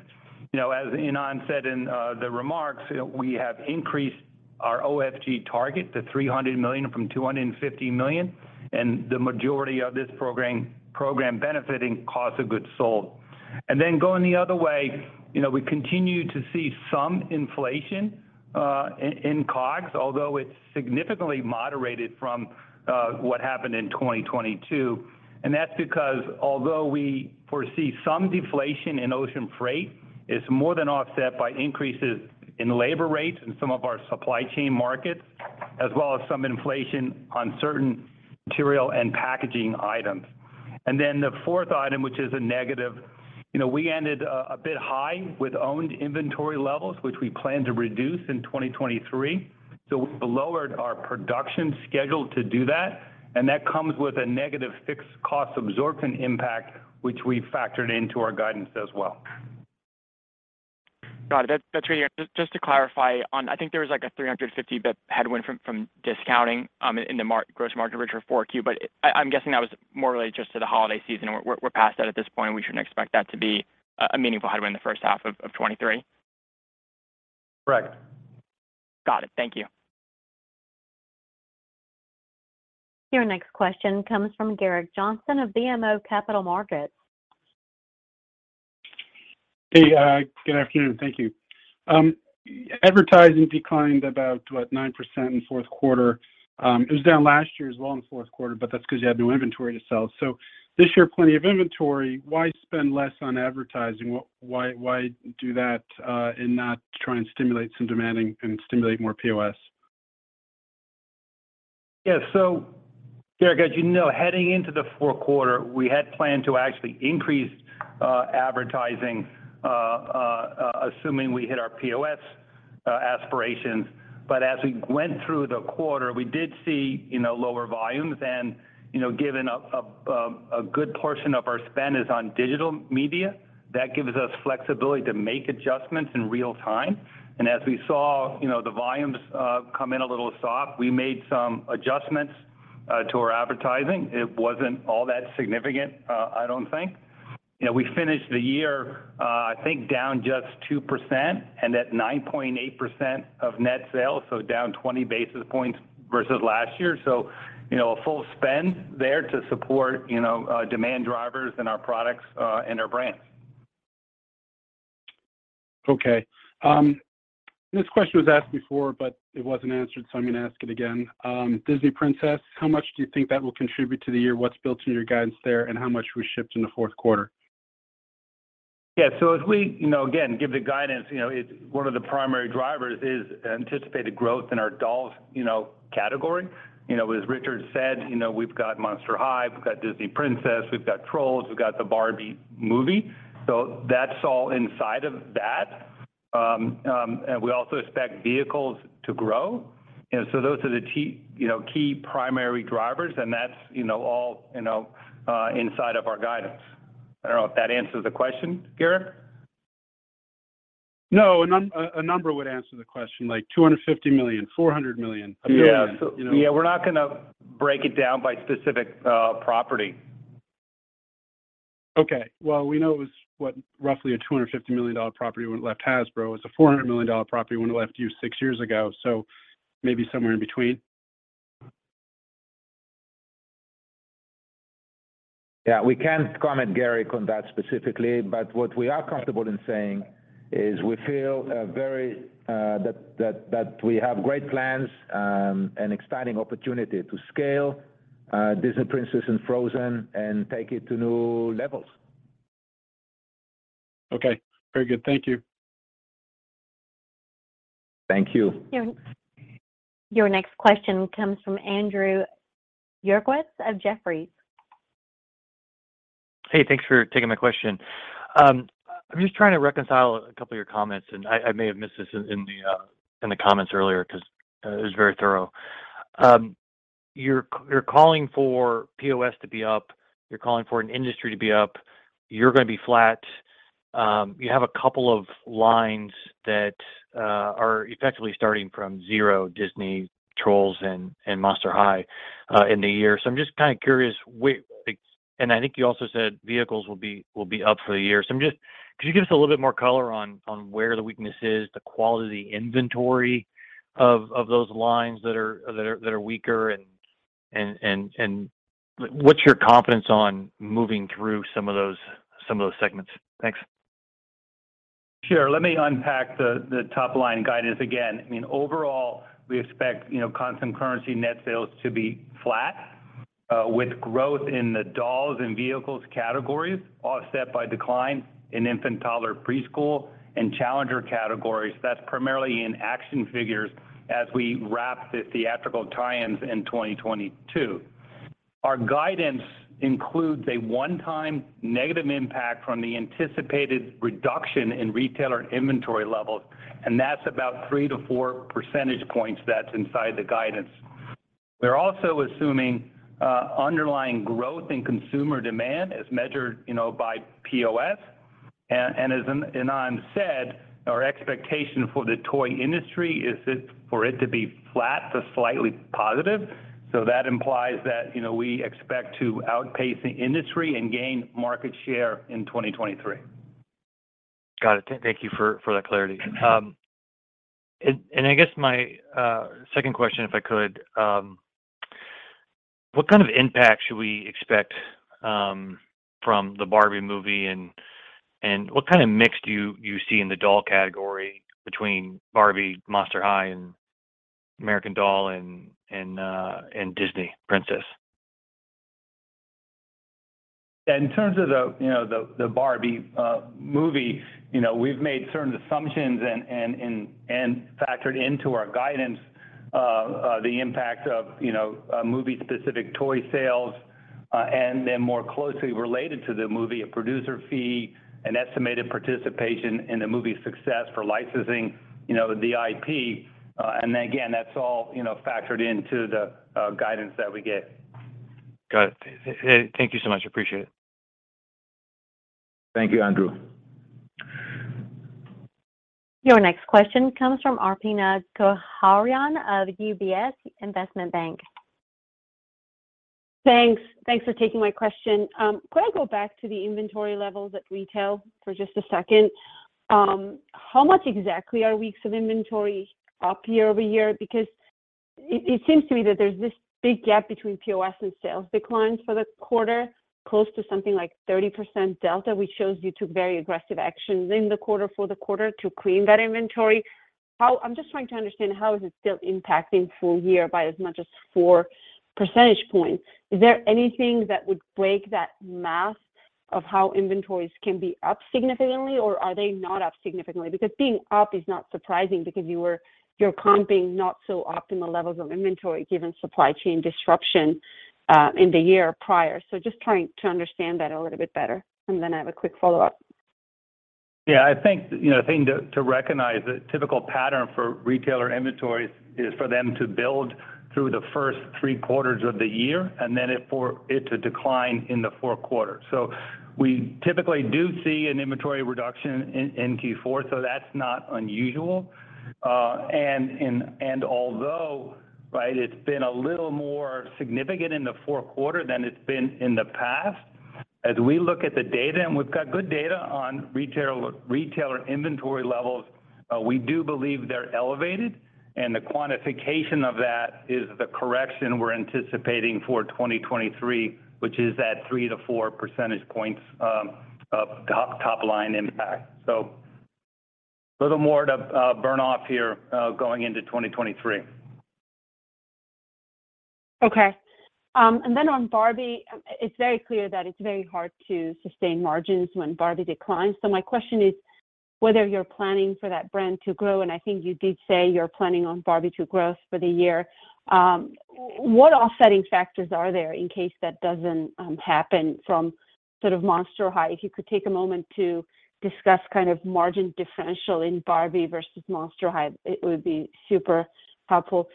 You know, as Ynon said in the remarks, we have increased our OFG target to $300 million from $250 million. The majority of this program benefiting cost of goods sold. Going the other way, you know, we continue to see some inflation in COGS, although it's significantly moderated from what happened in 2022. That's because although we foresee some deflation in ocean freight, it's more than offset by increases in labor rates in some of our supply chain markets, as well as some inflation on certain material and packaging items. The fourth item, which is a negative, you know, we ended a bit high with owned inventory levels, which we plan to reduce in 2023. We've lowered our production schedule to do that, and that comes with a negative fixed cost absorption impact, which we factored into our guidance as well. Got it. That's for you. Just to clarify on, I think there was like a 350 basis point headwind from discounting in the gross margin richer Q4. I'm guessing that was more related just to the holiday season and we're past that at this point. We shouldn't expect that to be a meaningful headwind in the first half of 2023. Correct. Got it. Thank you. Your next question comes from Gerrick Johnson of BMO Capital Markets. Good afternoon. Thank you. Advertising declined about, what? 9% in fourth quarter. It was down last year as well in fourth quarter, but that's because you had no inventory to sell. This year plenty of inventory, why spend less on advertising? Why, why do that, and not try and stimulate some demanding and stimulate more POS? Gerrick, as you know, heading into the fourth quarter, we had planned to actually increase advertising, assuming we hit our POS aspirations. As we went through the quarter, we did see, you know, lower volumes and, you know, given a good portion of our spend is on digital media, that gives us flexibility to make adjustments in real time. As we saw, you know, the volumes come in a little soft, we made some adjustments to our advertising. It wasn't all that significant, I don't think. You know, we finished the year, I think down just 2% and at 9.8% of net sales, so down 20 basis points versus last year. You know, a full spend there to support, you know, demand drivers and our products and our brands. Okay. This question was asked before, but it wasn't answered, so I'm gonna ask it again. Disney Princess, how much do you think that will contribute to the year? What's built in your guidance there, and how much was shipped in the fourth quarter? Yeah. As we, you know, again, give the guidance, you know, one of the primary drivers is anticipated growth in our dolls, you know, category. As Richard said, you know, we've got Monster High, we've got Disney Princess, we've got Trolls, we've got the Barbie movie. That's all inside of that. We also expect vehicles to grow. Those are the key, you know, key primary drivers, and that's, you know, all, you know, inside of our guidance. I don't know if that answers the question, Gerrick. No, a number would answer the question, like $250 million, $400 million. Yeah. $1 billion, you know? Yeah. We're not gonna break it down by specific property. Okay. Well, we know it was, what, roughly a $250 million property when it left Hasbro. It was a $400 million property when it left you six years ago, so maybe somewhere in between. We can't comment, Garrett, on that specifically, but what we are comfortable in saying is we feel very that we have great plans and exciting opportunity to scale Disney Princess and Frozen and take it to new levels. Okay. Very good. Thank you. Thank you. Your next question comes from Andrew Uerkwitz of Jefferies. Hey, thanks for taking my question. I'm just trying to reconcile a couple of your comments, and I may have missed this in the comments earlier because it was very thorough. You're calling for POS to be up. You're calling for an industry to be up. You're gonna be flat. You have a couple of lines that are effectively starting from zero, Disney, Trolls and Monster High in the year. I'm just kinda curious where. I think you also said vehicles will be up for the year. Could you give us a little bit more color on where the weakness is, the quality inventory of those lines that are weaker and what's your confidence on moving through some of those segments? Thanks. Sure. Let me unpack the top line guidance again. I mean, overall, we expect, you know, constant currency net sales to be flat, with growth in the dolls and vehicles categories offset by decline in infant, toddler, preschool and challenger categories. That's primarily in action figures as we wrap the theatrical tie-ins in 2022. Our guidance includes a one-time negative impact from the anticipated reduction in retailer inventory levels, and that's about three to four percentage points that's inside the guidance. We're also assuming, underlying growth in consumer demand as measured, you know, by POS. As Ynon said, our expectation for the toy industry is for it to be flat to slightly positive. That implies that, you know, we expect to outpace the industry and gain market share in 2023. Got it. Thank you for that clarity. I guess my second question, if I could, what kind of impact should we expect from the Barbie movie and what kind of mix do you see in the doll category between Barbie, Monster High, and American Girl and Disney Princess? In terms of the, you know, the Barbie movie, you know, we've made certain assumptions and factored into our guidance the impact of, you know, movie specific toy sales, and then more closely related to the movie, a producer fee, an estimated participation in the movie's success for licensing, you know, the IP. Again, that's all, you know, factored into the guidance that we give. Got it. Thank you so much. Appreciate it. Thank you, Andrew. Your next question comes from Arpiné Kocharyan of UBS Investment Bank. Thanks. Thanks for taking my question. Could I go back to the inventory levels at retail for just a second? How much exactly are weeks of inventory up year-over-year? It seems to me that there's this big gap between POS and sales declines for the quarter, close to something like 30% delta, which shows you took very aggressive actions in the quarter for the quarter to clean that inventory. I'm just trying to understand how is it still impacting full year by as much as four percentage points. Is there anything that would break that math of how inventories can be up significantly or are they not up significantly? Being up is not surprising because you're comping not so optimal levels of inventory given supply chain disruption in the year prior. Just trying to understand that a little bit better, and then I have a quick follow-up. Yeah. I think, you know, the thing to recognize the typical pattern for retailer inventories is for them to build through the first three quarters of the year, and then it to decline in the fourth quarter. We typically do see an inventory reduction in Q4, so that's not unusual. Although, right, it's been a little more significant in the fourth quarter than it's been in the past, as we look at the data, and we've got good data on retailer inventory levels, we do believe they're elevated, and the quantification of that is the correction we're anticipating for 2023, which is that three to four percentage points of top line impact. Little more to burn off here going into 2023. Okay. On Barbie, it's very clear that it's very hard to sustain margins when Barbie declines. My question is whether you're planning for that brand to grow, I think you did say you're planning on Barbie to grow for the year. What offsetting factors are there in case that doesn't happen from sort of Monster High? If you could take a moment to discuss kind of margin differential in Barbie versus Monster High, it would be super helpful.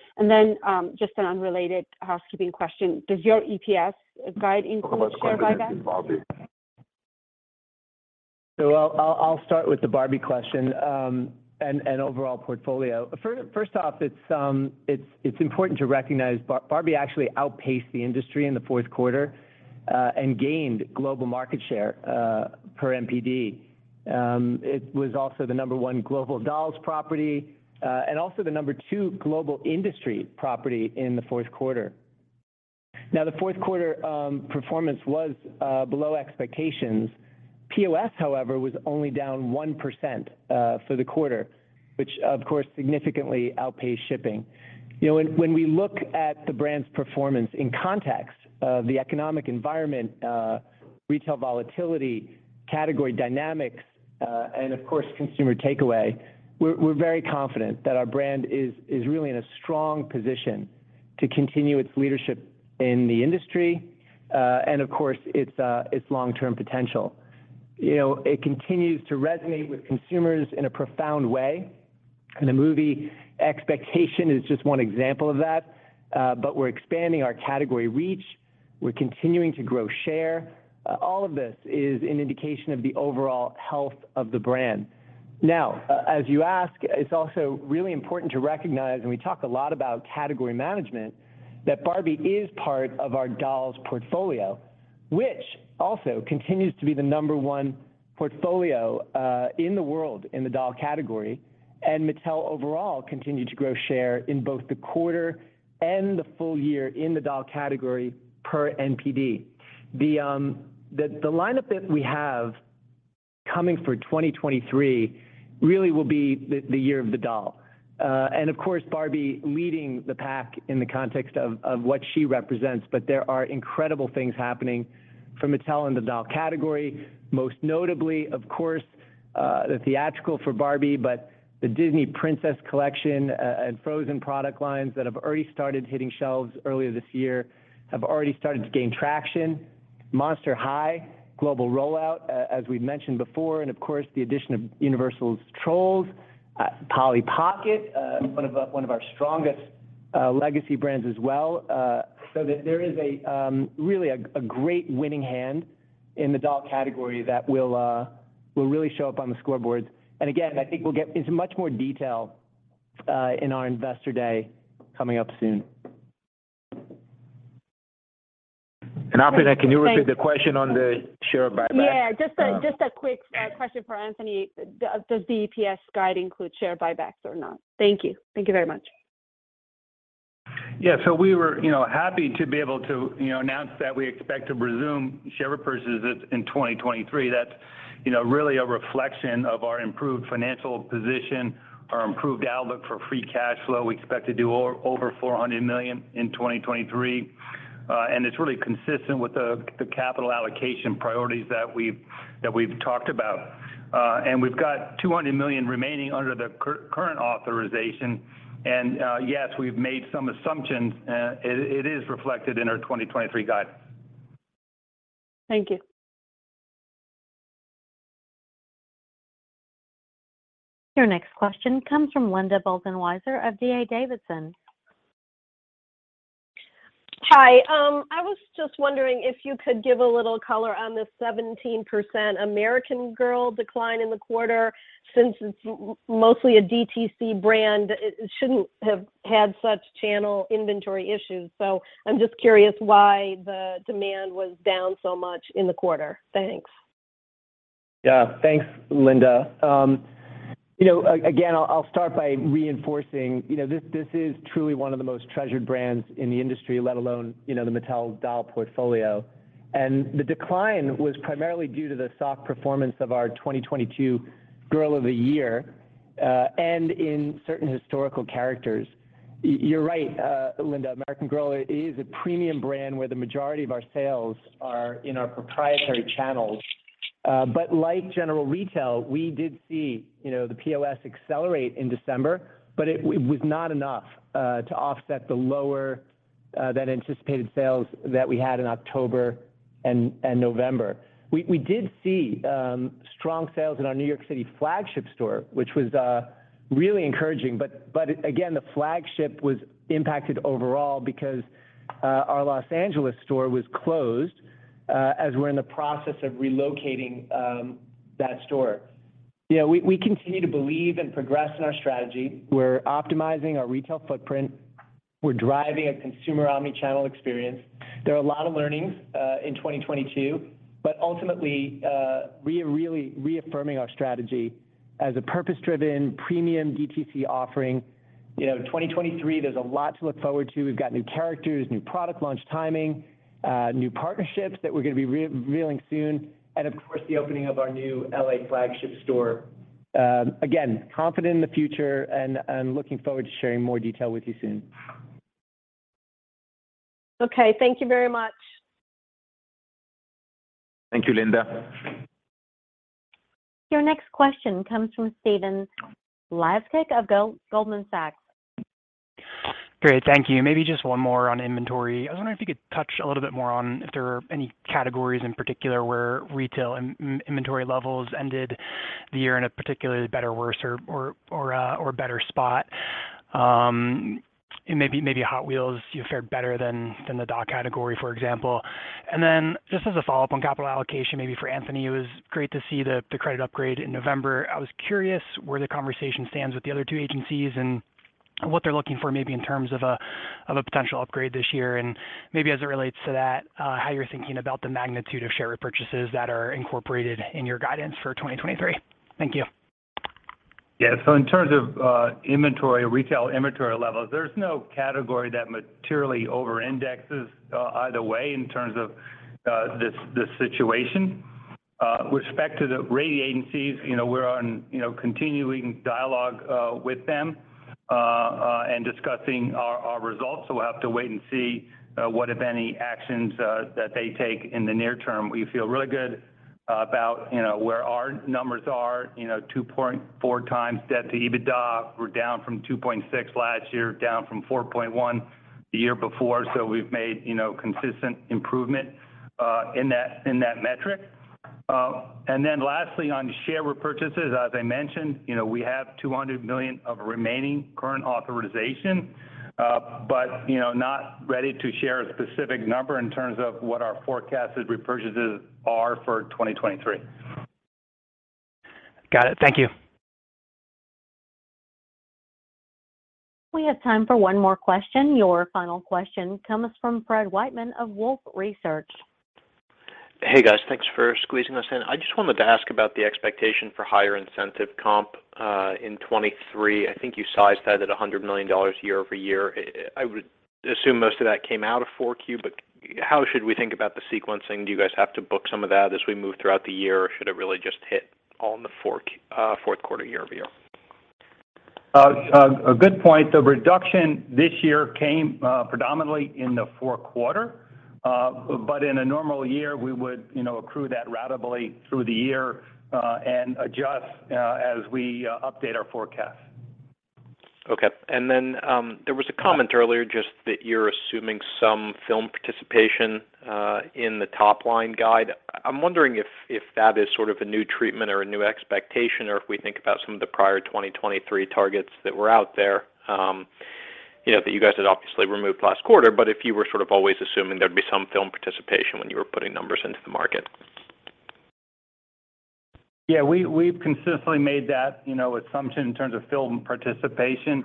Just an unrelated housekeeping question. Does your EPS guide include core buyback? I'll start with the Barbie question and overall portfolio. First off, it's important to recognize Barbie actually outpaced the industry in the fourth quarter and gained global market share per NPD. It was also the number one global dolls property and also the number two global industry property in the fourth quarter. The fourth quarter performance was below expectations. POS, however, was only down 1% for the quarter, which of course significantly outpaced shipping. You know, when we look at the brand's performance in context of the economic environment, retail volatility, category dynamics, and of course consumer takeaway, we're very confident that our brand is really in a strong position to continue its leadership in the industry and of course its long-term potential. You know, it continues to resonate with consumers in a profound way. The movie expectation is just one example of that, but we're expanding our category reach. We're continuing to grow share. All of this is an indication of the overall health of the brand. Now, as you ask, it's also really important to recognize, and we talk a lot about category management, that Barbie is part of our dolls portfolio, which also continues to be the number one portfolio in the world in the doll category. Mattel overall continued to grow share in both the quarter and the full year in the doll category per NPD. The lineup that we have coming for 2023 really will be the year of the doll. Of course, Barbie leading the pack in the context of what she represents, but there are incredible things happening for Mattel in the doll category. Most notably, of course, the theatrical for Barbie, but the Disney Princess collection, and Frozen product lines that have already started hitting shelves earlier this year have already started to gain traction. Monster High global rollout, as we've mentioned before, and of course the addition of Universal's Trolls, Polly Pocket, one of our strongest legacy brands as well. So there is a really great winning hand in the doll category that will really show up on the scoreboards. And again, I think we'll get as much more detail in our investor day coming up soon. Arpiné, can you repeat the question on the share buyback? Yeah, just a quick question for Anthony. Does the EPS guide include share buybacks or not? Thank you very much. Yeah. We were, you know, happy to be able to, you know, announce that we expect to resume share repurchases in 2023. That's, you know, really a reflection of our improved financial position, our improved outlook for free cash flow. We expect to do over $400 million in 2023. It's really consistent with the capital allocation priorities that we've talked about. We've got $200 million remaining under the current authorization. Yes, we've made some assumptions. It is reflected in our 2023 guide. Thank you. Your next question comes from Linda Bolton-Weiser of D.A. Davidson. Hi. I was just wondering if you could give a little color on the 17% American Girl decline in the quarter. Since it's mostly a DTC brand, it shouldn't have had such channel inventory issues. I'm just curious why the demand was down so much in the quarter. Thanks. Yeah. Thanks, Linda. You know, again, I'll start by reinforcing, you know, this is truly one of the most treasured brands in the industry, let alone, you know, the Mattel doll portfolio. The decline was primarily due to the soft performance of our 2022 Girl of the Year and in certain historical characters. You're right, Linda, American Girl is a premium brand where the majority of our sales are in our proprietary channels. Like general retail, we did see, you know, the POS accelerate in December, it was not enough to offset the lower than anticipated sales that we had in October and November. We did see strong sales in our New York City flagship store, which was really encouraging. Again, the flagship was impacted overall because our Los Angeles store was closed as we're in the process of relocating that store. You know, we continue to believe and progress in our strategy. We're optimizing our retail footprint. We're driving a consumer omni-channel experience. There are a lot of learnings in 2022, but ultimately, we are really reaffirming our strategy as a purpose-driven premium DTC offering. You know, 2023, there's a lot to look forward to. We've got new characters, new product launch timing, new partnerships that we're gonna be re-revealing soon, and of course, the opening of our new L.A. flagship store. Again, confident in the future and looking forward to sharing more detail with you soon. Okay, thank you very much. Thank you, Linda. Your next question comes from Stephen Laszczyk of Goldman Sachs. Great. Thank you. Maybe just one more on inventory. I was wondering if you could touch a little bit more on if there are any categories in particular where retail inventory levels ended the year in a particularly better, worse or better spot. Maybe Hot Wheels, you know, fared better than the doll category, for example. Just as a follow-up on capital allocation, maybe for Anthony, it was great to see the credit upgrade in November. I was curious where the conversation stands with the other two agencies and what they're looking for maybe in terms of of a potential upgrade this year. Maybe as it relates to that, how you're thinking about the magnitude of share repurchases that are incorporated in your guidance for 2023. Thank you. Yeah. In terms of inventory, retail inventory levels, there's no category that materially over-indexes either way in terms of this situation. With respect to the rating agencies, you know, we're on, you know, continuing dialogue with them and discussing our results. We'll have to wait and see what, if any, actions that they take in the near term. We feel really good about, you know, where our numbers are, you know, 2.4x debt to EBITDA. We're down from 2.6x last year, down from 4.1x the year before. We've made, you know, consistent improvement in that metric. Then lastly, on share repurchases, as I mentioned, you know, we have $200 million of remaining current authorization, but, you know, not ready to share a specific number in terms of what our forecasted repurchases are for 2023. Got it. Thank you. We have time for one more question. Your final question comes from Fred Wightman of Wolfe Research. Hey, guys. Thanks for squeezing us in. I just wanted to ask about the expectation for higher incentive comp, in 2023. I think you sized that at $100 million year-over-year. I would assume most of that came out of 4Q, but how should we think about the sequencing? Do you guys have to book some of that as we move throughout the year, or should it really just hit all in the fourth quarter year-over-year? A good point. The reduction this year came predominantly in the fourth quarter, but in a normal year, we would, you know, accrue that ratably through the year, and adjust as we update our forecast. Okay. There was a comment earlier just that you're assuming some film participation in the top line guide. I'm wondering if that is sort of a new treatment or a new expectation, or if we think about some of the prior 2023 targets that were out there, you know, that you guys had obviously removed last quarter, but if you were sort of always assuming there'd be some film participation when you were putting numbers into the market? Yeah, we've consistently made that, you know, assumption in terms of film participation.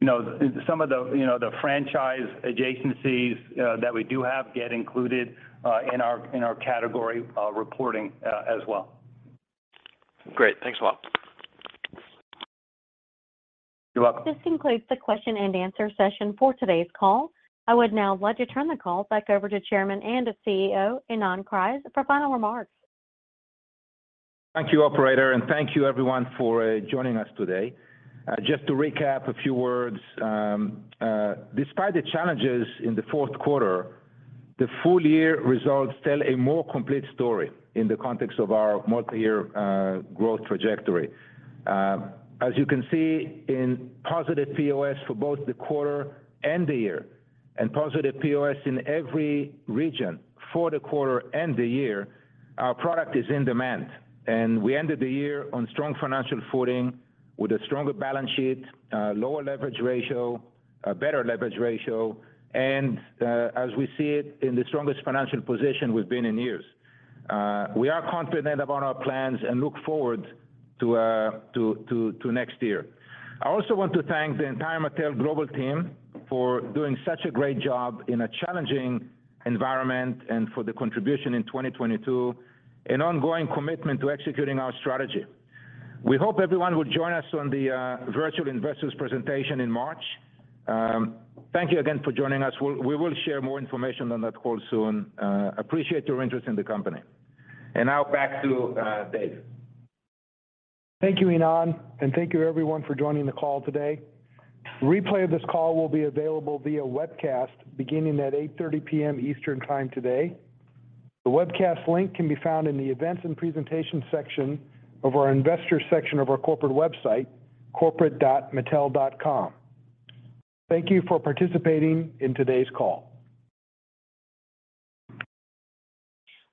You know, some of the, you know, the franchise adjacencies that we do have get included in our, in our category reporting as well. Great. Thanks a lot. You're welcome. This concludes the question and answer session for today's call. I would now like to turn the call back over to Chairman and to CEO, Ynon Kreiz, for final remarks. Thank you, operator, and thank you everyone for joining us today. Just to recap a few words. Despite the challenges in the fourth quarter, the full year results tell a more complete story in the context of our multi-year growth trajectory. As you can see in positive POS for both the quarter and the year, and positive POS in every region for the quarter and the year, our product is in demand. We ended the year on strong financial footing with a stronger balance sheet, lower leverage ratio, a better leverage ratio, and, as we see it, in the strongest financial position we've been in years. We are confident about our plans and look forward to next year. I also want to thank the entire Mattel global team for doing such a great job in a challenging environment and for the contribution in 2022, an ongoing commitment to executing our strategy. We hope everyone will join us on the virtual investors presentation in March. Thank you again for joining us. We will share more information on that call soon. Appreciate your interest in the company. Now back to David. Thank you, Ynon, and thank you everyone for joining the call today. Replay of this call will be available via webcast beginning at 8:30 P.M. Eastern time today. The webcast link can be found in the Events and Presentation section of our Investor section of our corporate website, corporate.mattel.com. Thank you for participating in today's call.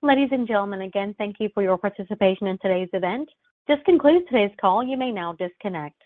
Ladies and gentlemen, again, thank you for your participation in today's event. This concludes today's call. You may now disconnect.